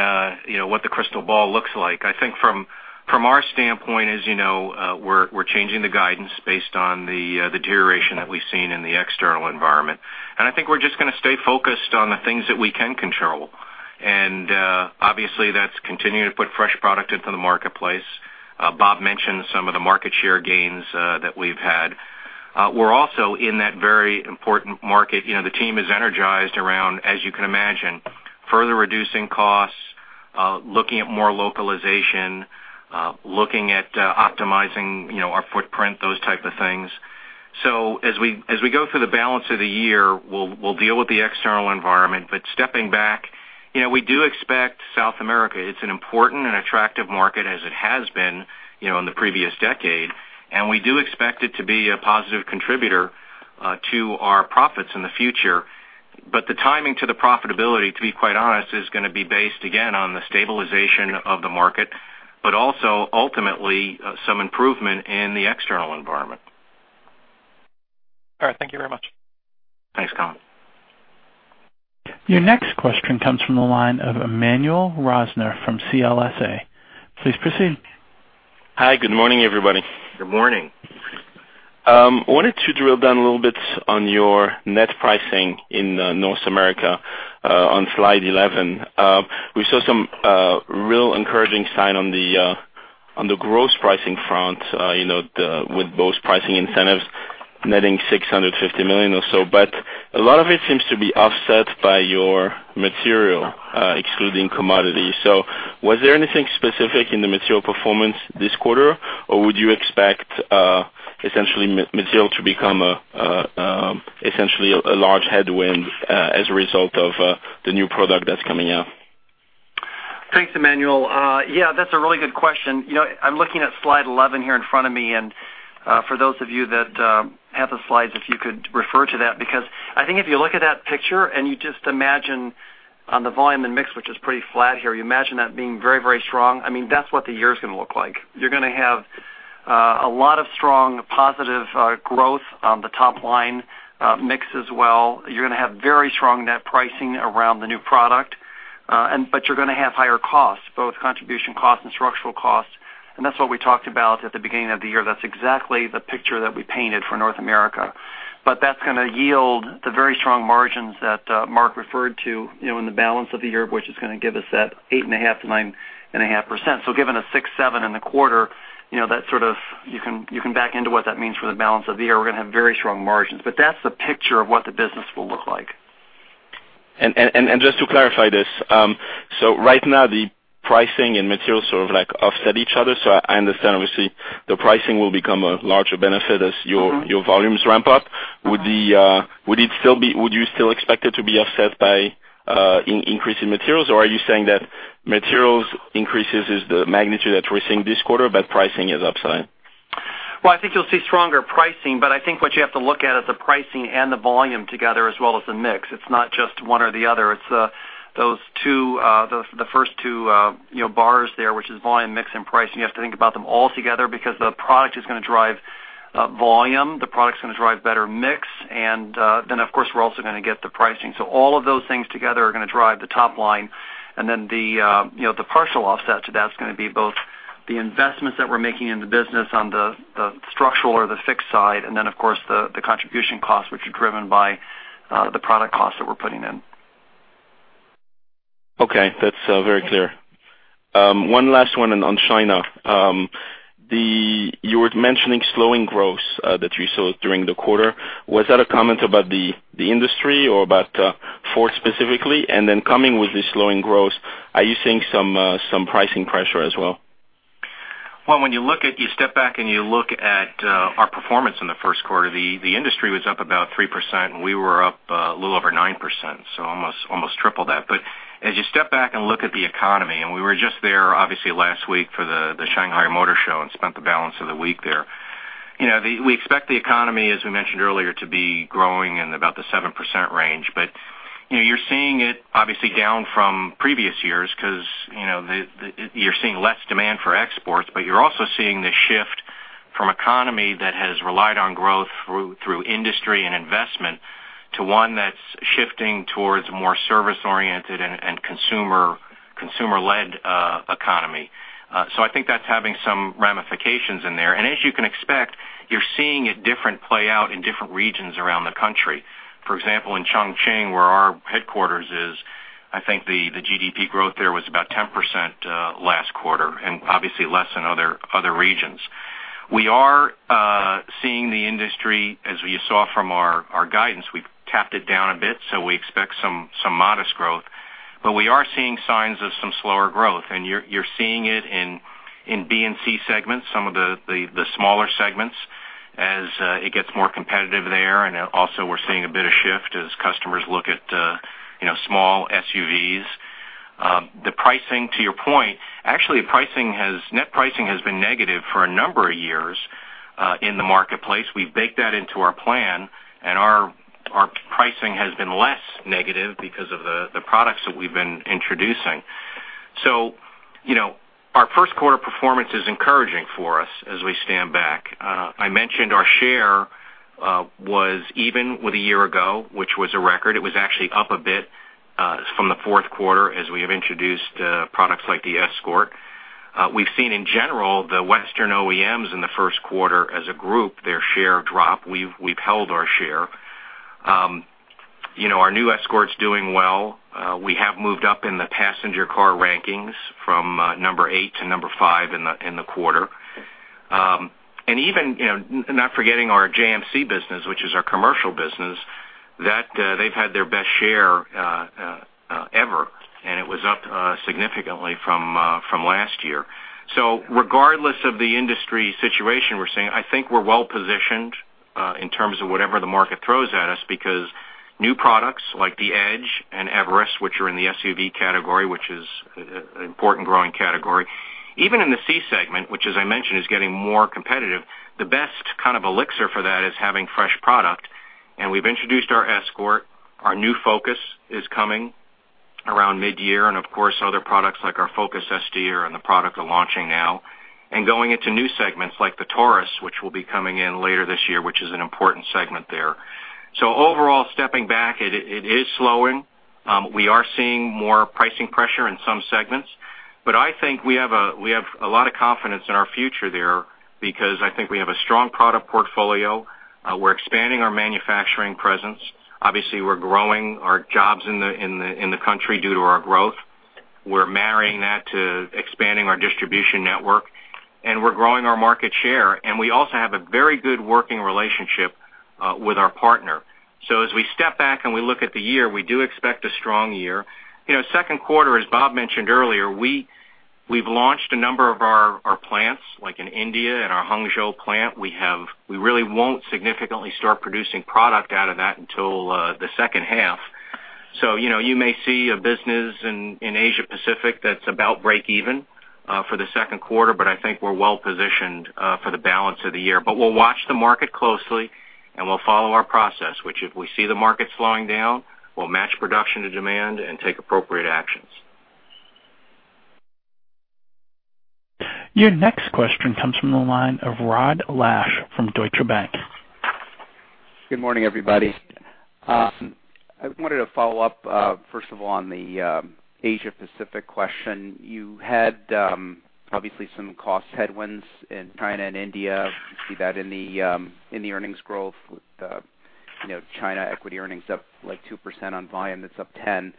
what the crystal ball looks like. I think from our standpoint, as you know, we're changing the guidance based on the deterioration that we've seen in the external environment. I think we're just going to stay focused on the things that we can control. Obviously, that's continuing to put fresh product into the marketplace. Bob mentioned some of the market share gains that we've had. We're also in that very important market. The team is energized around, as you can imagine, further reducing costs, looking at more localization, looking at optimizing our footprint, those type of things. As we go through the balance of the year, we'll deal with the external environment. Stepping back, we do expect South America. It's an important and attractive market as it has been in the previous decade, and we do expect it to be a positive contributor to our profits in the future. The timing to the profitability, to be quite honest, is going to be based, again, on the stabilization of the market, but also ultimately some improvement in the external environment. All right. Thank you very much. Thanks, Colin. Your next question comes from the line of Emmanuel Rosner from CLSA. Please proceed. Hi. Good morning, everybody. Good morning. I wanted to drill down a little bit on your net pricing in North America on slide 11. We saw some real encouraging signs on the gross pricing front with both pricing incentives netting $650 million or so. A lot of it seems to be offset by your material, excluding commodity. Was there anything specific in the material performance this quarter, or would you expect essentially material to become essentially a large headwind as a result of the new product that's coming out? Thanks, Emmanuel. Yeah, that's a really good question. I'm looking at slide 11 here in front of me. For those of you that have the slides, if you could refer to that, because I think if you look at that picture and you just imagine on the volume and mix, which is pretty flat here, you imagine that being very, very strong. That's what the year's going to look like. You're going to have a lot of strong positive growth on the top line, mix as well. You're going to have very strong net pricing around the new product. You're going to have higher costs, both contribution costs and structural costs. That's what we talked about at the beginning of the year. That's exactly the picture that we painted for North America. That's going to yield the very strong margins that Mark referred to in the balance of the year, which is going to give us that 8.5%-9.5%. Given a 6%, 7% in the quarter, you can back into what that means for the balance of the year. We're going to have very strong margins. That's the picture of what the business will look like. Just to clarify this, right now the pricing and materials sort of like offset each other. I understand, obviously, the pricing will become a larger benefit as your volumes ramp up. Would you still expect it to be offset by increase in materials, or are you saying that materials increases is the magnitude that we're seeing this quarter, but pricing is upside? I think you'll see stronger pricing, but I think what you have to look at is the pricing and the volume together as well as the mix. It's not just one or the other. It's the first two bars there, which is volume, mix, and pricing. You have to think about them all together because the product is going to drive volume, the product's going to drive better mix, and then of course, we're also going to get the pricing. All of those things together are going to drive the top line, and then the partial offset to that's going to be both the investments that we're making in the business on the structural or the fixed side, and then of course, the contribution costs which are driven by the product costs that we're putting in. Okay. That's very clear. One last one on China. You were mentioning slowing growth that you saw during the quarter. Was that a comment about the industry or about Ford specifically? Coming with the slowing growth, are you seeing some pricing pressure as well? When you step back and you look at our performance in the first quarter, the industry was up about 3%, and we were up a little over 9%, so almost triple that. As you step back and look at the economy, and we were just there obviously last week for the Shanghai Motor Show and spent the balance of the week there. We expect the economy, as we mentioned earlier, to be growing in about the 7% range. You're seeing it obviously down from previous years because you're seeing less demand for exports, but you're also seeing the shift from economy that has relied on growth through industry and investment to one that's shifting towards more service-oriented and consumer-led economy. I think that's having some ramifications in there. As you can expect, you're seeing a different play out in different regions around the country. For example, in Chongqing, where our headquarters is, I think the GDP growth there was about 10% last quarter and obviously less than other regions. We are seeing the industry, as you saw from our guidance, we've tapped it down a bit, so we expect some modest growth. We are seeing signs of some slower growth, and you're seeing it in B and C segments, some of the smaller segments as it gets more competitive there, and also we're seeing a bit of shift as customers look at small SUVs. The pricing, to your point, actually net pricing has been negative for a number of years in the marketplace. We've baked that into our plan, and our pricing has been less negative because of the products that we've been introducing. Our first quarter performance is encouraging for us as we stand back. I mentioned our share was even with a year ago, which was a record. It was actually up a bit from the fourth quarter as we have introduced products like the Escort. We've seen in general, the Western OEMs in the first quarter as a group, their share drop. We've held our share. Our new Escort's doing well. We have moved up in the passenger car rankings from number 8 to number 5 in the quarter. Not forgetting our Jiangling Motors Corporation business, which is our commercial business, they've had their best share ever, and it was up significantly from last year. Regardless of the industry situation we're seeing, I think we're well-positioned in terms of whatever the market throws at us because new products like the Edge and Everest, which are in the SUV category, which is an important growing category. Even in the C segment, which as I mentioned is getting more competitive, the best kind of elixir for that is having fresh product. We've introduced our Escort. Our new Focus is coming around mid-year, of course, other products like our Focus ST are in the product we're launching now. Going into new segments like the Taurus, which will be coming in later this year, which is an important segment there. Overall, stepping back, it is slowing. We are seeing more pricing pressure in some segments. I think we have a lot of confidence in our future there because I think we have a strong product portfolio. We're expanding our manufacturing presence. Obviously, we're growing our jobs in the country due to our growth. We're marrying that to expanding our distribution network. We're growing our market share. We also have a very good working relationship with our partner. As we step back and we look at the year, we do expect a strong year. Second quarter, as Bob Shanks mentioned earlier, we've launched a number of our plants, like in India and our Hangzhou plant. We really won't significantly start producing product out of that until the second half. You may see a business in Asia-Pacific that's about break even for the second quarter, but I think we're well-positioned for the balance of the year. We'll watch the market closely. We'll follow our process, which if we see the market slowing down, we'll match production to demand and take appropriate actions. Your next question comes from the line of Rod Lache from Deutsche Bank. Good morning, everybody. I wanted to follow up, first of all, on the Asia-Pacific question. You had obviously some cost headwinds in China and India. You see that in the earnings growth with China equity earnings up like 2% on volume that's up 10.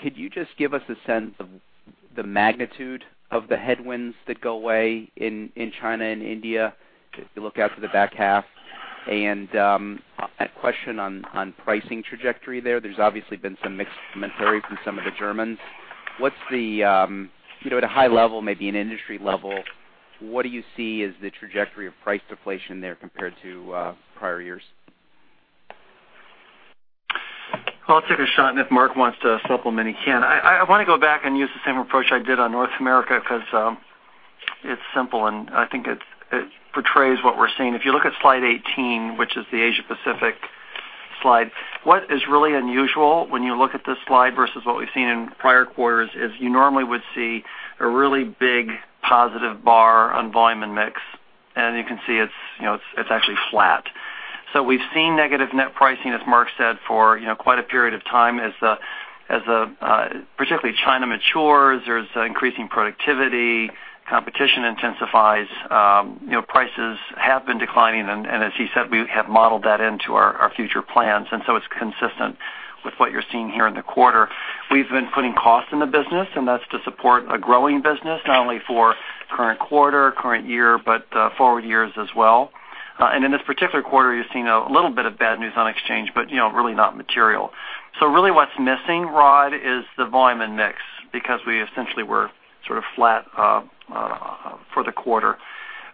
Could you just give us a sense of the magnitude of the headwinds that go away in China and India as you look out to the back half? A question on pricing trajectory there. There's obviously been some mixed commentary from some of the Germans. At a high level, maybe an industry level, what do you see as the trajectory of price deflation there compared to prior years? I'll take a shot, and if Mark wants to supplement, he can. I want to go back and use the same approach I did on North America because it's simple, and I think it portrays what we're seeing. If you look at slide 18, which is the Asia-Pacific slide, what is really unusual when you look at this slide versus what we've seen in prior quarters is you normally would see a really big positive bar on volume and mix. You can see it's actually flat. We've seen negative net pricing, as Mark said, for quite a period of time as particularly China matures, there's increasing productivity, competition intensifies, prices have been declining. As he said, we have modeled that into our future plans, it's consistent With what you're seeing here in the quarter, we've been putting cost in the business, and that's to support a growing business, not only for current quarter, current year, but forward years as well. In this particular quarter, you're seeing a little bit of bad news on exchange, but really not material. Really what's missing, Rod, is the volume and mix because we essentially were sort of flat for the quarter.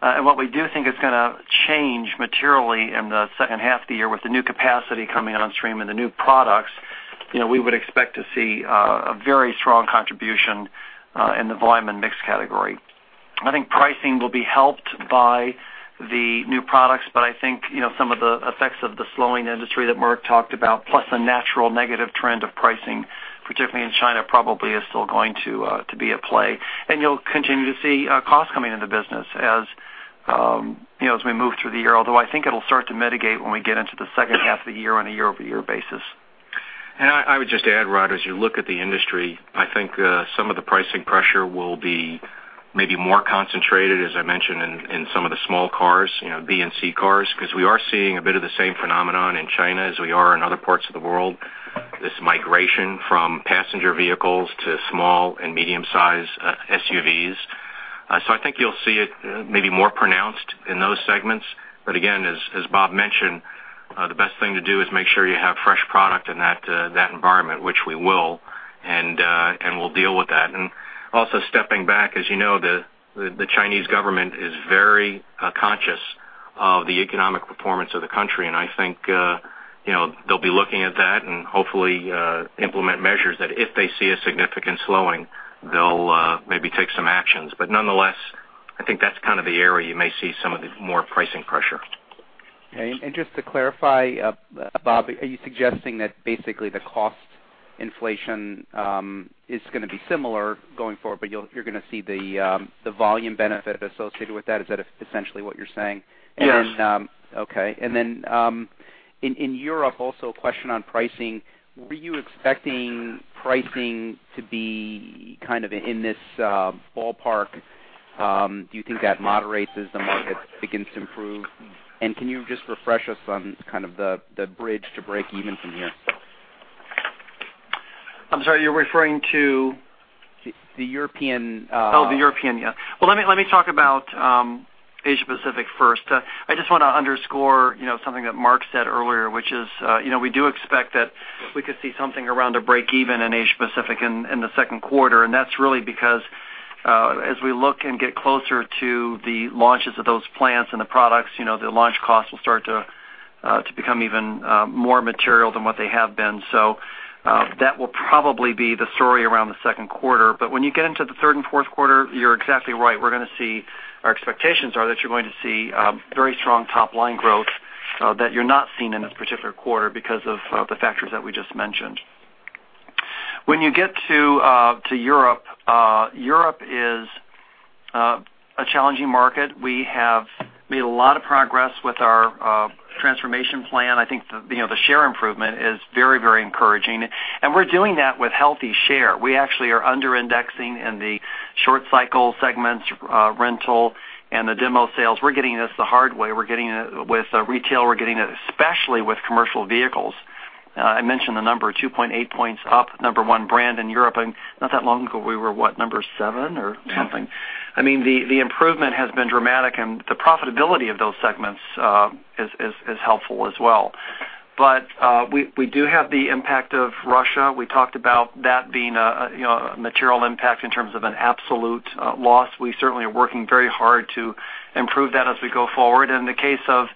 What we do think is going to change materially in the second half of the year with the new capacity coming on stream and the new products, we would expect to see a very strong contribution in the volume and mix category. I think pricing will be helped by the new products, but I think some of the effects of the slowing industry that Mark talked about, plus a natural negative trend of pricing, particularly in China, probably is still going to be at play. You'll continue to see costs coming into business as we move through the year, although I think it'll start to mitigate when we get into the second half of the year on a year-over-year basis. I would just add, Rod, as you look at the industry, I think some of the pricing pressure will be maybe more concentrated, as I mentioned, in some of the small cars, B- and C-cars, because we are seeing a bit of the same phenomenon in China as we are in other parts of the world, this migration from passenger vehicles to small and medium-sized SUVs. I think you'll see it maybe more pronounced in those segments. Again, as Bob mentioned, the best thing to do is make sure you have fresh product in that environment, which we will, and we'll deal with that. Also stepping back, as you know, the Chinese government is very conscious of the economic performance of the country, and I think they'll be looking at that and hopefully implement measures that if they see a significant slowing, they'll maybe take some actions. Nonetheless, I think that's kind of the area you may see some of the more pricing pressure. Okay, just to clarify, Bob, are you suggesting that basically the cost inflation is going to be similar going forward, you're going to see the volume benefit associated with that? Is that essentially what you're saying? Yes. Okay, then in Europe, also a question on pricing. Were you expecting pricing to be kind of in this ballpark? Do you think that moderates as the market begins to improve? Can you just refresh us on kind of the bridge to break even from here? I'm sorry, you're referring to? The European- Oh, the European, yeah. Well, let me talk about Asia Pacific first. I just want to underscore something that Mark said earlier, which is we do expect that we could see something around a break even in Asia Pacific in the second quarter, that's really because as we look and get closer to the launches of those plants and the products, the launch costs will start to become even more material than what they have been. That will probably be the story around the second quarter. When you get into the third and fourth quarter, you're exactly right. Our expectations are that you're going to see very strong top-line growth that you're not seeing in this particular quarter because of the factors that we just mentioned. When you get to Europe is a challenging market. We have made a lot of progress with our transformation plan. I think the share improvement is very encouraging, we're doing that with healthy share. We actually are under-indexing in the short cycle segments, rental, and the demo sales. We're getting this the hard way. We're getting it with retail. We're getting it especially with commercial vehicles. I mentioned the number, 2.8 points up, number one brand in Europe, not that long ago, we were what, number seven or something? Yeah. The improvement has been dramatic and the profitability of those segments is helpful as well. We do have the impact of Russia. We talked about that being a material impact in terms of an absolute loss. We certainly are working very hard to improve that as we go forward. In the case of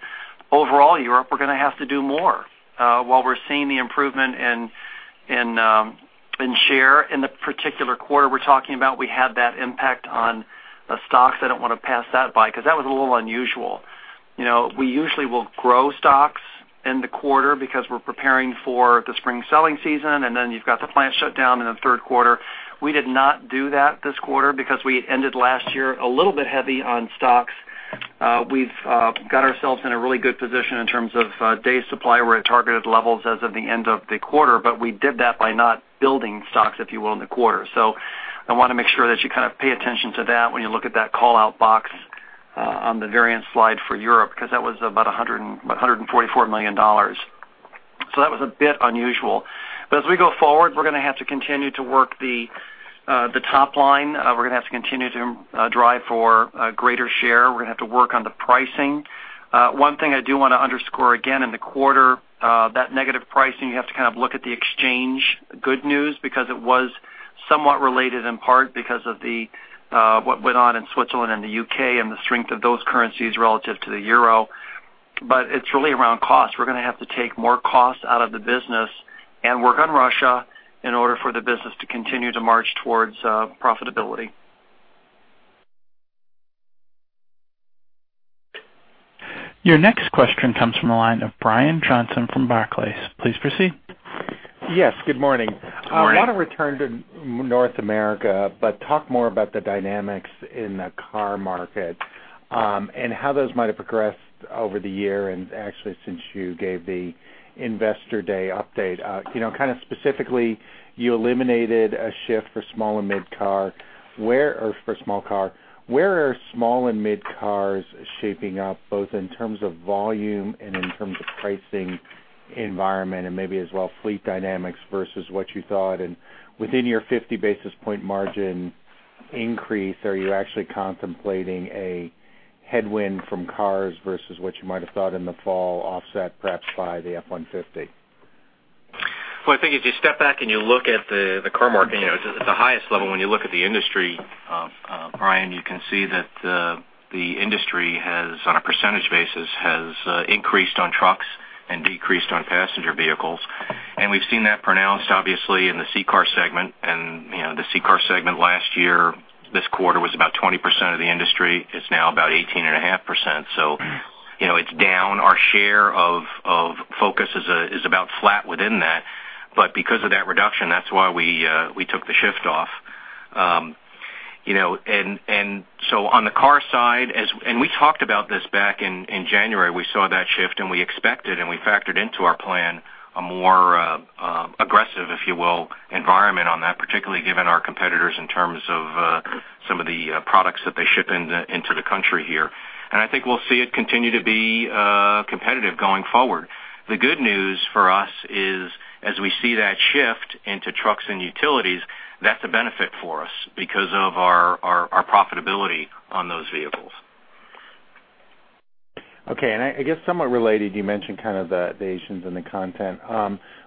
overall Europe, we're going to have to do more. While we're seeing the improvement in share in the particular quarter we're talking about, we had that impact on stocks. I don't want to pass that by because that was a little unusual. We usually will grow stocks in the quarter because we're preparing for the spring selling season, and then you've got the plant shutdown in the third quarter. We did not do that this quarter because we ended last year a little bit heavy on stocks. We've got ourselves in a really good position in terms of days supply. We're at targeted levels as of the end of the quarter. We did that by not building stocks, if you will, in the quarter. I want to make sure that you kind of pay attention to that when you look at that call-out box on the variance slide for Europe, because that was about $144 million. That was a bit unusual. As we go forward, we're going to have to continue to work the top line. We're going to have to continue to drive for greater share. We're going to have to work on the pricing. One thing I do want to underscore again in the quarter, that negative pricing, you have to kind of look at the exchange good news because it was somewhat related in part because of what went on in Switzerland and the U.K. and the strength of those currencies relative to the euro. It's really around cost. We're going to have to take more cost out of the business and work on Russia in order for the business to continue to march towards profitability. Your next question comes from the line of Brian Johnson from Barclays. Please proceed. Yes, good morning. Good morning. I want to return to North America, but talk more about the dynamics in the car market and how those might have progressed over the year and actually since you gave the investor day update. Kind of specifically, you eliminated a shift for small and mid car or for small car. Where are small and mid cars shaping up, both in terms of volume and in terms of pricing environment and maybe as well fleet dynamics versus what you thought and within your 50 basis point margin increase? Are you actually contemplating a headwind from cars versus what you might have thought in the fall, offset perhaps by the F-150? Well, I think if you step back and you look at the car market at the highest level, when you look at the industry, Brian, you can see that the industry has, on a percentage basis, increased on trucks and decreased on passenger vehicles. We've seen that pronounced, obviously, in the C car segment. The C car segment last year, this quarter, was about 20% of the industry. It's now about 18.5%. It's down. Our share of Focus is about flat within that. Because of that reduction, that's why we took the shift off. On the car side, we talked about this back in January, we saw that shift, and we expected and we factored into our plan a more aggressive, if you will, environment on that, particularly given our competitors in terms of some of the products that they ship into the country here. I think we'll see it continue to be competitive going forward. The good news for us is, as we see that shift into trucks and utilities, that's a benefit for us because of our profitability on those vehicles. Okay, I guess somewhat related, you mentioned the Asians and the content.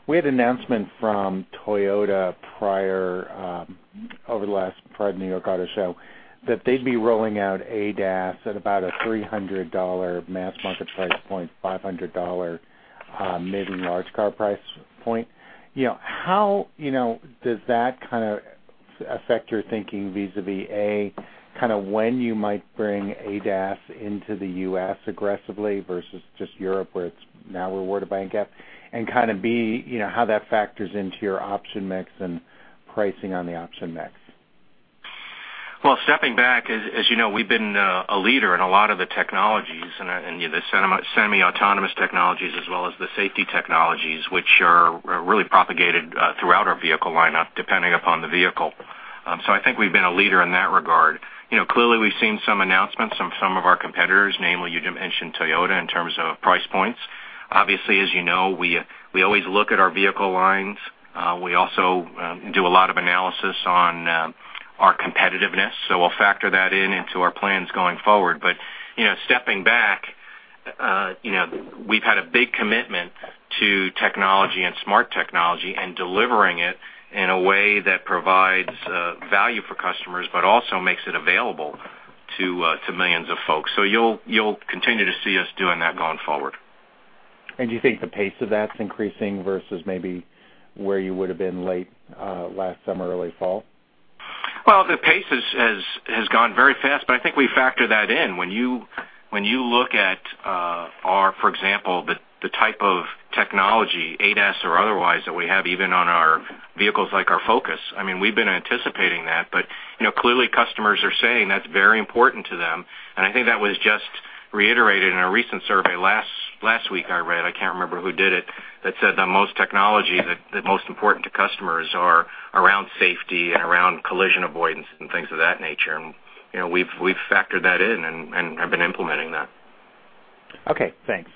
We had an announcement from Toyota prior, over the last prior New York Auto Show, that they'd be rolling out ADAS at about a $300 mass market price point, $500 mid and large car price point. How does that affect your thinking vis-à-vis, A, when you might bring ADAS into the U.S. aggressively versus just Europe, where it's now rewarded by NCAP, and, B, how that factors into your option mix and pricing on the option mix? Well, stepping back, as you know, we've been a leader in a lot of the technologies and the semi-autonomous technologies as well as the safety technologies, which are really propagated throughout our vehicle lineup, depending upon the vehicle. I think we've been a leader in that regard. Clearly, we've seen some announcements from some of our competitors, namely, you mentioned Toyota, in terms of price points. Obviously, as you know, we always look at our vehicle lines. We also do a lot of analysis on our competitiveness. We'll factor that in into our plans going forward. Stepping back, we've had a big commitment to technology and smart technology and delivering it in a way that provides value for customers but also makes it available to millions of folks. You'll continue to see us doing that going forward. Do you think the pace of that's increasing versus maybe where you would've been late last summer, early fall? Well, the pace has gone very fast, but I think we factor that in. When you look at our, for example, the type of technology, ADAS or otherwise, that we have even on our vehicles like our Focus, we've been anticipating that. Clearly, customers are saying that's very important to them, and I think that was just reiterated in a recent survey last week I read, I can't remember who did it, that said that most technology that most important to customers are around safety and around collision avoidance and things of that nature. We've factored that in and have been implementing that. Okay, thanks.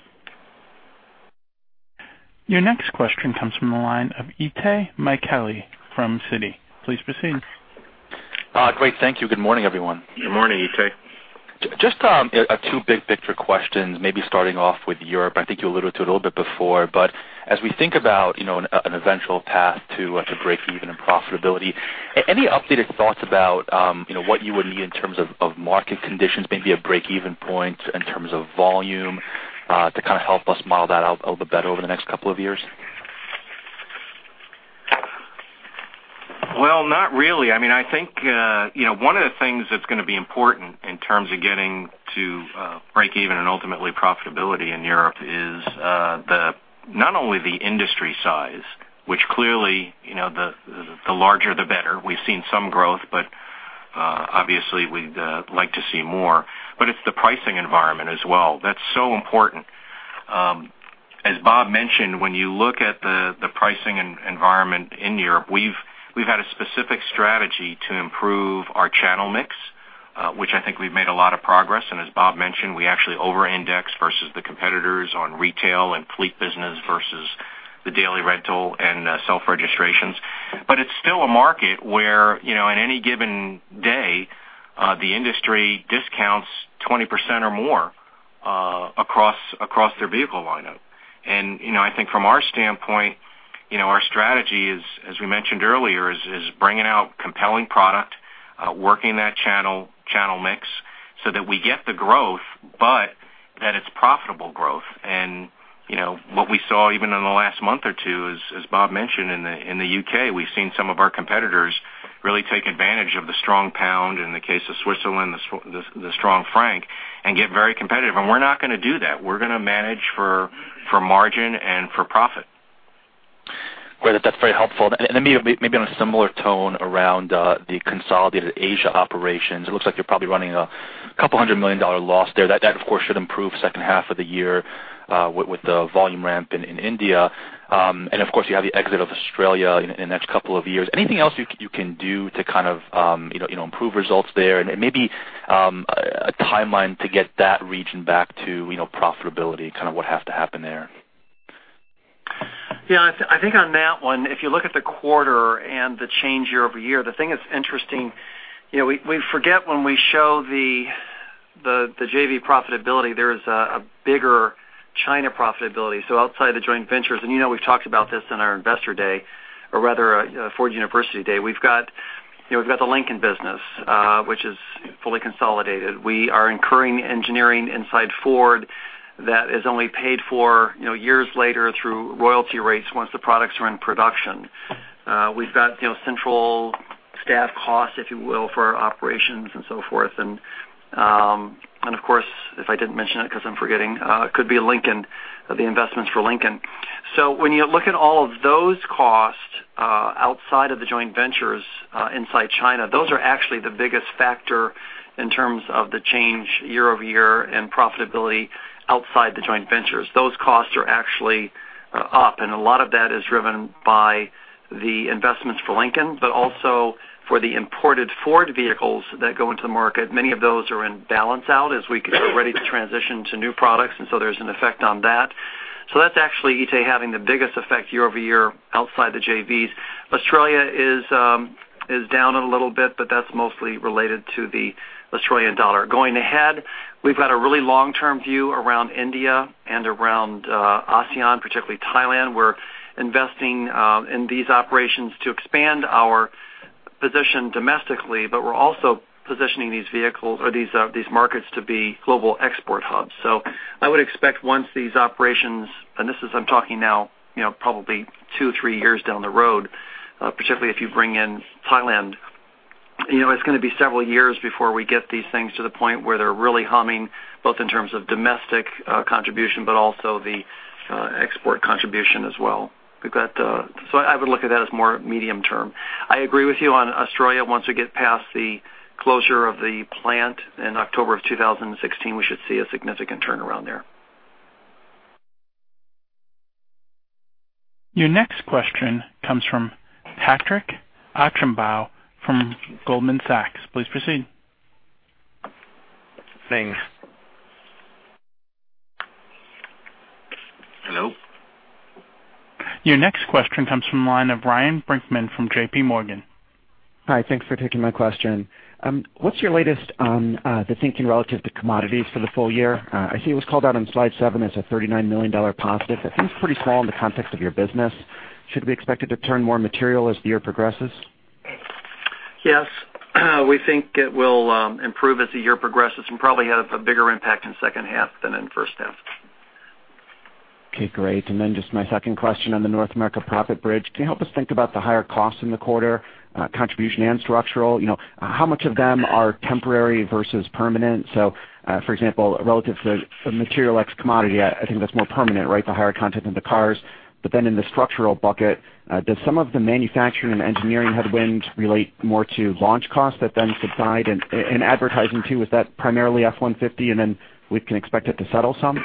Your next question comes from the line of Itay Michaeli from Citi. Please proceed. Great. Thank you. Good morning, everyone. Good morning, Itay. Just two big picture questions, maybe starting off with Europe. I think you alluded to it a little bit before, but as we think about an eventual path to breakeven and profitability, any updated thoughts about what you would need in terms of market conditions, maybe a breakeven point in terms of volume to help us model that out a little bit better over the next couple of years? Well, not really. I think one of the things that's going to be important in terms of getting to breakeven and ultimately profitability in Europe is not only the industry size, which clearly the larger the better. We've seen some growth, but obviously we'd like to see more. It's the pricing environment as well. That's so important. As Bob mentioned, when you look at the pricing environment in Europe, we've had a specific strategy to improve our channel mix, which I think we've made a lot of progress. As Bob mentioned, we actually over-index versus the competitors on retail and fleet business versus the daily rental and self-registrations. It's still a market where, in any given day, the industry discounts 20% or more across their vehicle lineup. I think from our standpoint, our strategy is, as we mentioned earlier, is bringing out compelling product, working that channel mix so that we get the growth, but that it's profitable growth. What we saw even in the last month or two is, as Bob mentioned, in the U.K., we've seen some of our competitors really take advantage of the strong pound, in the case of Switzerland, the strong franc, and get very competitive. We're not going to do that. We're going to manage for margin and for profit. Great. That's very helpful. Maybe on a similar tone around the consolidated Asia operations, it looks like you're probably running a couple hundred million dollar loss there. That of course, should improve second half of the year with the volume ramp in India. Of course, you have the exit of Australia in the next couple of years. Anything else you can do to improve results there and maybe a timeline to get that region back to profitability, what have to happen there? I think on that one, if you look at the quarter and the change year-over-year, the thing that's interesting, we forget when we show the JV profitability, there is a bigger China profitability. Outside the joint ventures, and we've talked about this in our investor day, or rather Ford University day, we've got the Lincoln business, which is fully consolidated. We are incurring engineering inside Ford that is only paid for years later through royalty rates once the products are in production. We've got central staff costs, if you will, for operations and so forth, and of course, if I didn't mention it because I'm forgetting, could be the investments for Lincoln. When you look at all of those costs outside of the joint ventures inside China, those are actually the biggest factor in terms of the change year-over-year and profitability outside the joint ventures. Those costs are actually up, and a lot of that is driven by the investments for Lincoln, but also for the imported Ford vehicles that go into the market. Many of those are in balance out as we get ready to transition to new products, there's an effect on that. That's actually, Itay, having the biggest effect year-over-year outside the JVs. Australia is down a little bit, but that's mostly related to the AUD. Going ahead, we've got a really long-term view around India and around ASEAN, particularly Thailand. We're investing in these operations to expand our position domestically, we're also positioning these markets to be global export hubs. I would expect once these operations, and I'm talking now probably two, three years down the road, particularly if you bring in Thailand, it's going to be several years before we get these things to the point where they're really humming, both in terms of domestic contribution, also the export contribution as well. I would look at that as more medium term. I agree with you on Australia. Once we get past the closure of the plant in October of 2016, we should see a significant turnaround there. Your next question comes from Patrick Archambault from Goldman Sachs. Please proceed. Thanks. Hello? Your next question comes from the line of Ryan Brinkman from J.P. Morgan. Hi. Thanks for taking my question. What's your latest on the thinking relative to commodities for the full year? I see it was called out on slide seven as a $39 million positive. It seems pretty small in the context of your business. Should we expect it to turn more material as the year progresses? Yes. We think it will improve as the year progresses and probably have a bigger impact in second half than in first half. Okay, great. Just my second question on the North America profit bridge. Can you help us think about the higher costs in the quarter, contribution and structural? How much of them are temporary versus permanent? For example, relative to the material X commodity, I think that's more permanent, right, the higher content in the cars. In the structural bucket, does some of the manufacturing and engineering headwinds relate more to launch costs that then subside in advertising too? Is that primarily F-150 and then we can expect it to settle some?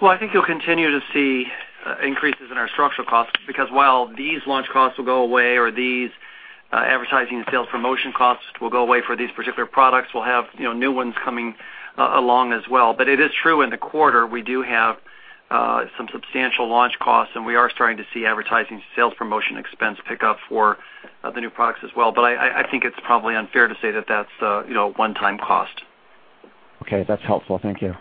I think you'll continue to see increases in our structural costs because while these launch costs will go away or these advertising sales promotion costs will go away for these particular products, we'll have new ones coming along as well. It is true in the quarter, we do have some substantial launch costs and we are starting to see advertising sales promotion expense pick up for the new products as well. I think it's probably unfair to say that that's a one-time cost. Okay. That's helpful. Thank you.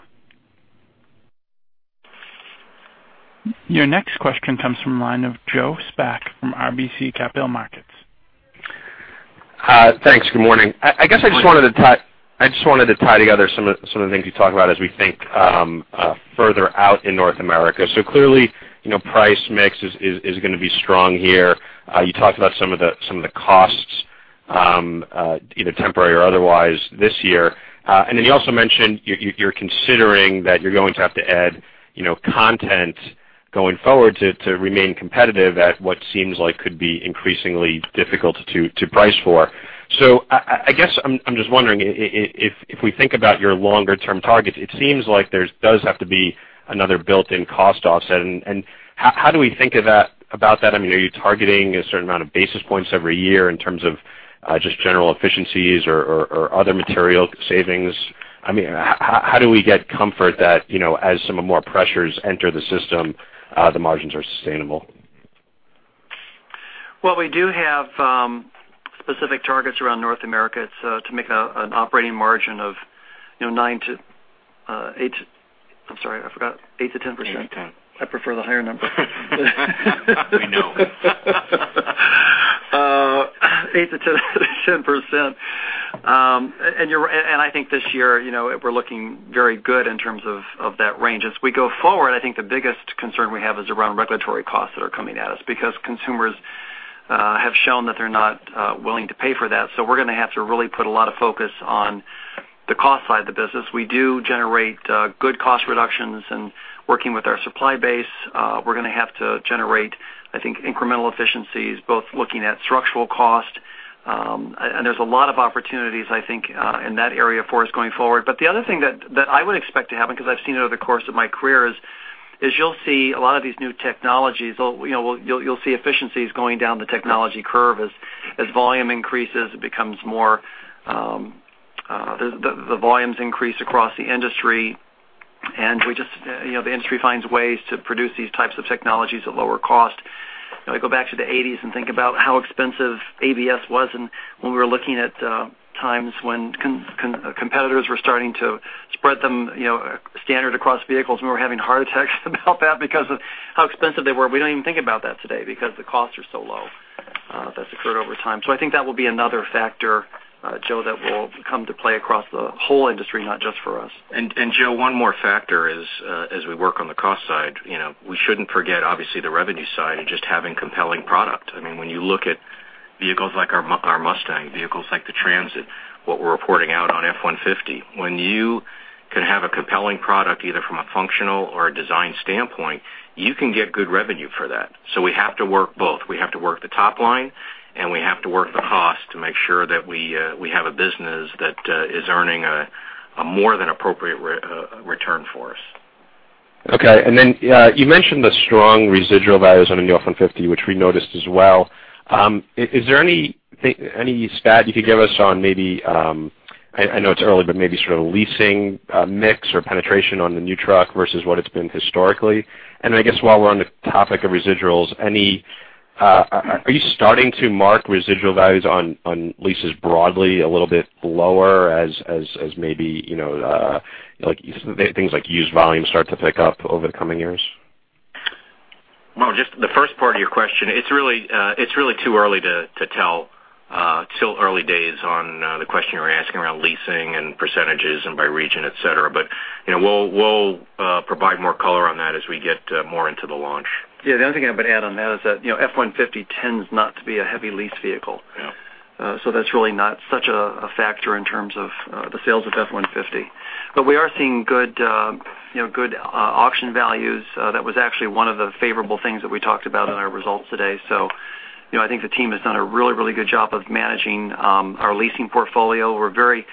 Your next question comes from the line of Joseph Spak from RBC Capital Markets. Thanks. Good morning. I guess I just wanted to tie together some of the things you talked about as we think further out in North America. Clearly, price mix is going to be strong here. You talked about some of the costs, either temporary or otherwise this year. You also mentioned you're considering that you're going to have to add content going forward to remain competitive at what seems like could be increasingly difficult to price for. I guess I'm just wondering if we think about your longer term targets, it seems like there does have to be another built-in cost offset. How do we think about that? Are you targeting a certain amount of basis points every year in terms of just general efficiencies or other material savings? How do we get comfort that as some more pressures enter the system, the margins are sustainable? Well, we do have specific targets around North America. It's to make an operating margin of I'm sorry, I forgot. 8%-10%? 8%-10%. I prefer the higher number. We know. 8%-10%. I think this year, we're looking very good in terms of that range. As we go forward, I think the biggest concern we have is around regulatory costs that are coming at us because consumers have shown that they're not willing to pay for that. We're going to have to really put a lot of focus on the cost side of the business. We do generate good cost reductions and working with our supply base, we're going to have to generate, I think, incremental efficiencies, both looking at structural cost. There's a lot of opportunities, I think, in that area for us going forward. The other thing that I would expect to happen, because I've seen it over the course of my career, is you'll see a lot of these new technologies. You'll see efficiencies going down the technology curve as The volumes increase across the industry, and the industry finds ways to produce these types of technologies at lower cost. I go back to the '80s and think about how expensive ABS was and when we were looking at times when competitors were starting to spread them standard across vehicles, and we were having heart attacks about that because of how expensive they were. We don't even think about that today because the costs are so low. That's occurred over time. I think that will be another factor, Joe, that will come to play across the whole industry, not just for us. Joe, one more factor is, as we work on the cost side, we shouldn't forget, obviously, the revenue side and just having compelling product. You look at vehicles like our Mustang, vehicles like the Transit, what we're reporting out on F-150. You can have a compelling product, either from a functional or a design standpoint, you can get good revenue for that. We have to work both. We have to work the top line, and we have to work the cost to make sure that we have a business that is earning a more than appropriate return for us. Okay. You mentioned the strong residual values on the new F-150, which we noticed as well. Is there any stat you could give us on maybe, I know it's early, but maybe sort of leasing mix or penetration on the new truck versus what it's been historically? I guess while we're on the topic of residuals, are you starting to mark residual values on leases broadly a little bit lower as maybe things like used volume start to pick up over the coming years? Well, just the first part of your question, it's really too early to tell. Still early days on the question you're asking around leasing and percentages and by region, et cetera. We'll provide more color on that as we get more into the launch. The only thing I would add on that is that F-150 tends not to be a heavy lease vehicle. Yeah. That's really not such a factor in terms of the sales of F-150. We are seeing good auction values. That was actually one of the favorable things that we talked about in our results today. I think the team has done a really good job of managing our leasing portfolio. We're very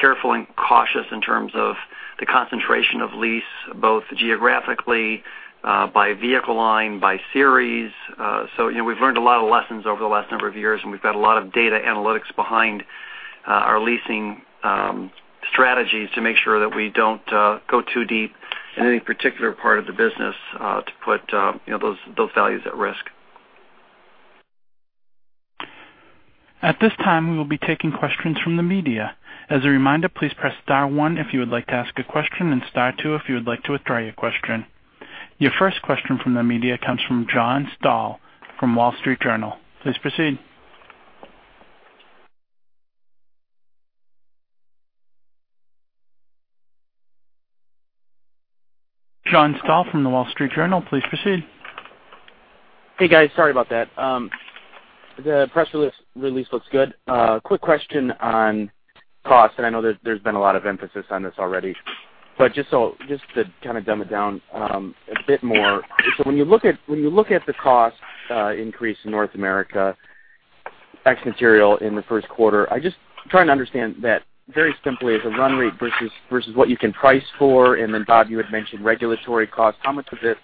careful and cautious in terms of the concentration of lease, both geographically, by vehicle line, by series. We've learned a lot of lessons over the last number of years, and we've got a lot of data analytics behind our leasing strategies to make sure that we don't go too deep in any particular part of the business to put those values at risk. At this time, we will be taking questions from the media. As a reminder, please press star one if you would like to ask a question, and star two if you would like to withdraw your question. Your first question from the media comes from John Stoll from The Wall Street Journal. Please proceed. John Stoll from The Wall Street Journal, please proceed. Hey, guys, sorry about that. The press release looks good. Quick question on cost, and I know there's been a lot of emphasis on this already. Just to kind of dumb it down a bit more. When you look at the cost increase in North America, ex material in the first quarter, I'm just trying to understand that very simply as a run rate versus what you can price for. Bob, you had mentioned regulatory costs. How much of it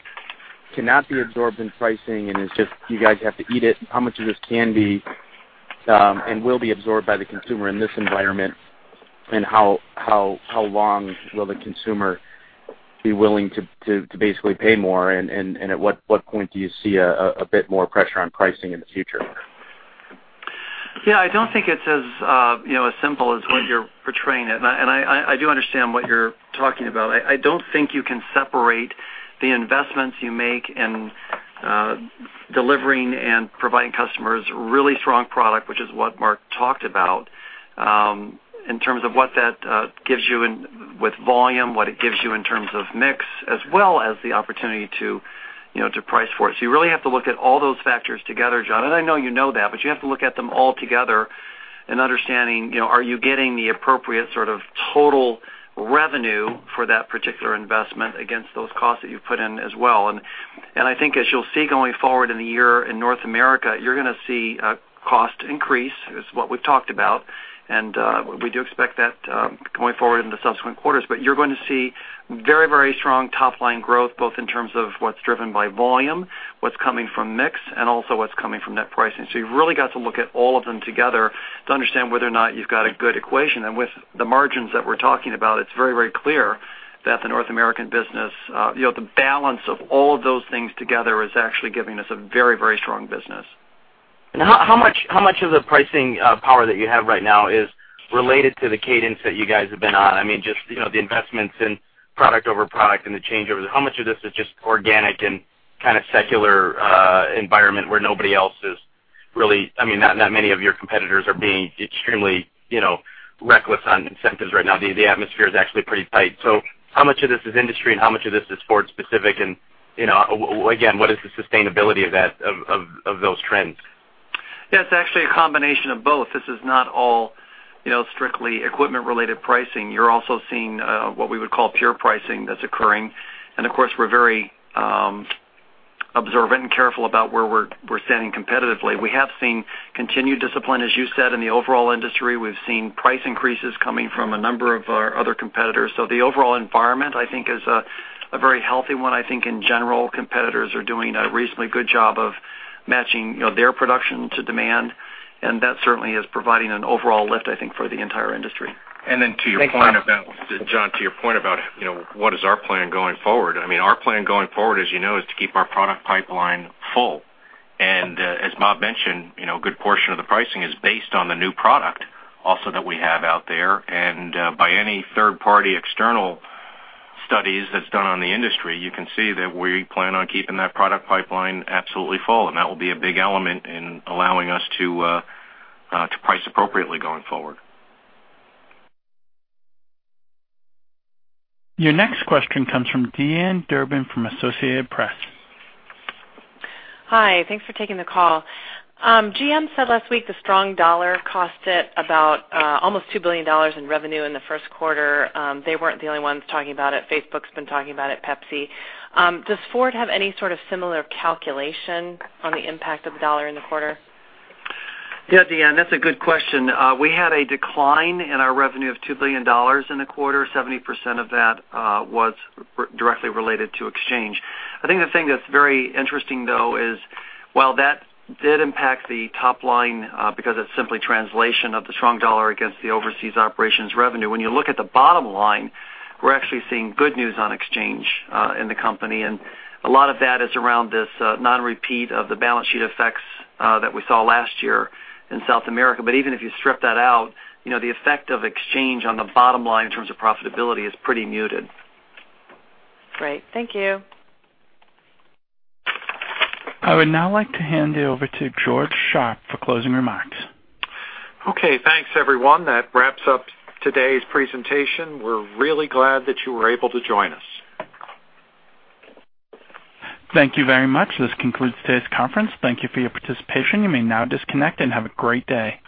cannot be absorbed in pricing and it's just you guys have to eat it? How much of this can be, and will be absorbed by the consumer in this environment? How long will the consumer be willing to basically pay more? At what point do you see a bit more pressure on pricing in the future? Yeah, I don't think it's as simple as what you're portraying it. I do understand what you're talking about. I don't think you can separate the investments you make in delivering and providing customers really strong product, which is what Mark talked about, in terms of what that gives you with volume, what it gives you in terms of mix, as well as the opportunity to price for it. You really have to look at all those factors together, John, and I know you know that, but you have to look at them all together and understanding, are you getting the appropriate sort of total revenue for that particular investment against those costs that you've put in as well. I think as you'll see going forward in the year in North America, you're going to see a cost increase is what we've talked about, and we do expect that going forward into subsequent quarters. You're going to see very strong top-line growth, both in terms of what's driven by volume, what's coming from mix, and also what's coming from net pricing. You've really got to look at all of them together to understand whether or not you've got a good equation. With the margins that we're talking about, it's very clear that the North American business, the balance of all of those things together is actually giving us a very strong business. How much of the pricing power that you have right now is related to the cadence that you guys have been on? Just the investments in product over product and the change over. How much of this is just organic and kind of secular environment where nobody else is really not many of your competitors are being extremely reckless on incentives right now. The atmosphere is actually pretty tight. How much of this is industry and how much of this is Ford specific and, again, what is the sustainability of those trends? Yeah, it's actually a combination of both. This is not all strictly equipment-related pricing. You're also seeing what we would call pure pricing that's occurring. Of course, we're very observant and careful about where we're standing competitively. We have seen continued discipline, as you said, in the overall industry. We've seen price increases coming from a number of our other competitors. The overall environment, I think, is a very healthy one. I think in general, competitors are doing a reasonably good job of matching their production to demand, and that certainly is providing an overall lift, I think, for the entire industry. John, to your point about what is our plan going forward, our plan going forward, as you know, is to keep our product pipeline full. As Bob Shanks mentioned, a good portion of the pricing is based on the new product also that we have out there. By any third-party external studies that's done on the industry, you can see that we plan on keeping that product pipeline absolutely full, and that will be a big element in allowing us to price appropriately going forward. Your next question comes from Dee-Ann Durbin from Associated Press. Hi. Thanks for taking the call. GM said last week the strong dollar cost it about almost $2 billion in revenue in the first quarter. They weren't the only ones talking about it. Facebook's been talking about it, Pepsi. Does Ford have any sort of similar calculation on the impact of the dollar in the quarter? Yeah, Dee-Ann, that's a good question. We had a decline in our revenue of $2 billion in the quarter. 70% of that was directly related to exchange. I think the thing that's very interesting, though, is while that did impact the top line because it's simply translation of the strong dollar against the overseas operations revenue, when you look at the bottom line, we're actually seeing good news on exchange in the company. A lot of that is around this non-repeat of the balance sheet effects that we saw last year in South America. Even if you strip that out, the effect of exchange on the bottom line in terms of profitability is pretty muted. Great. Thank you. I would now like to hand it over to George Sharp for closing remarks. Okay, thanks everyone. That wraps up today's presentation. We are really glad that you were able to join us. Thank you very much. This concludes today's conference. Thank you for your participation. You may now disconnect and have a great day.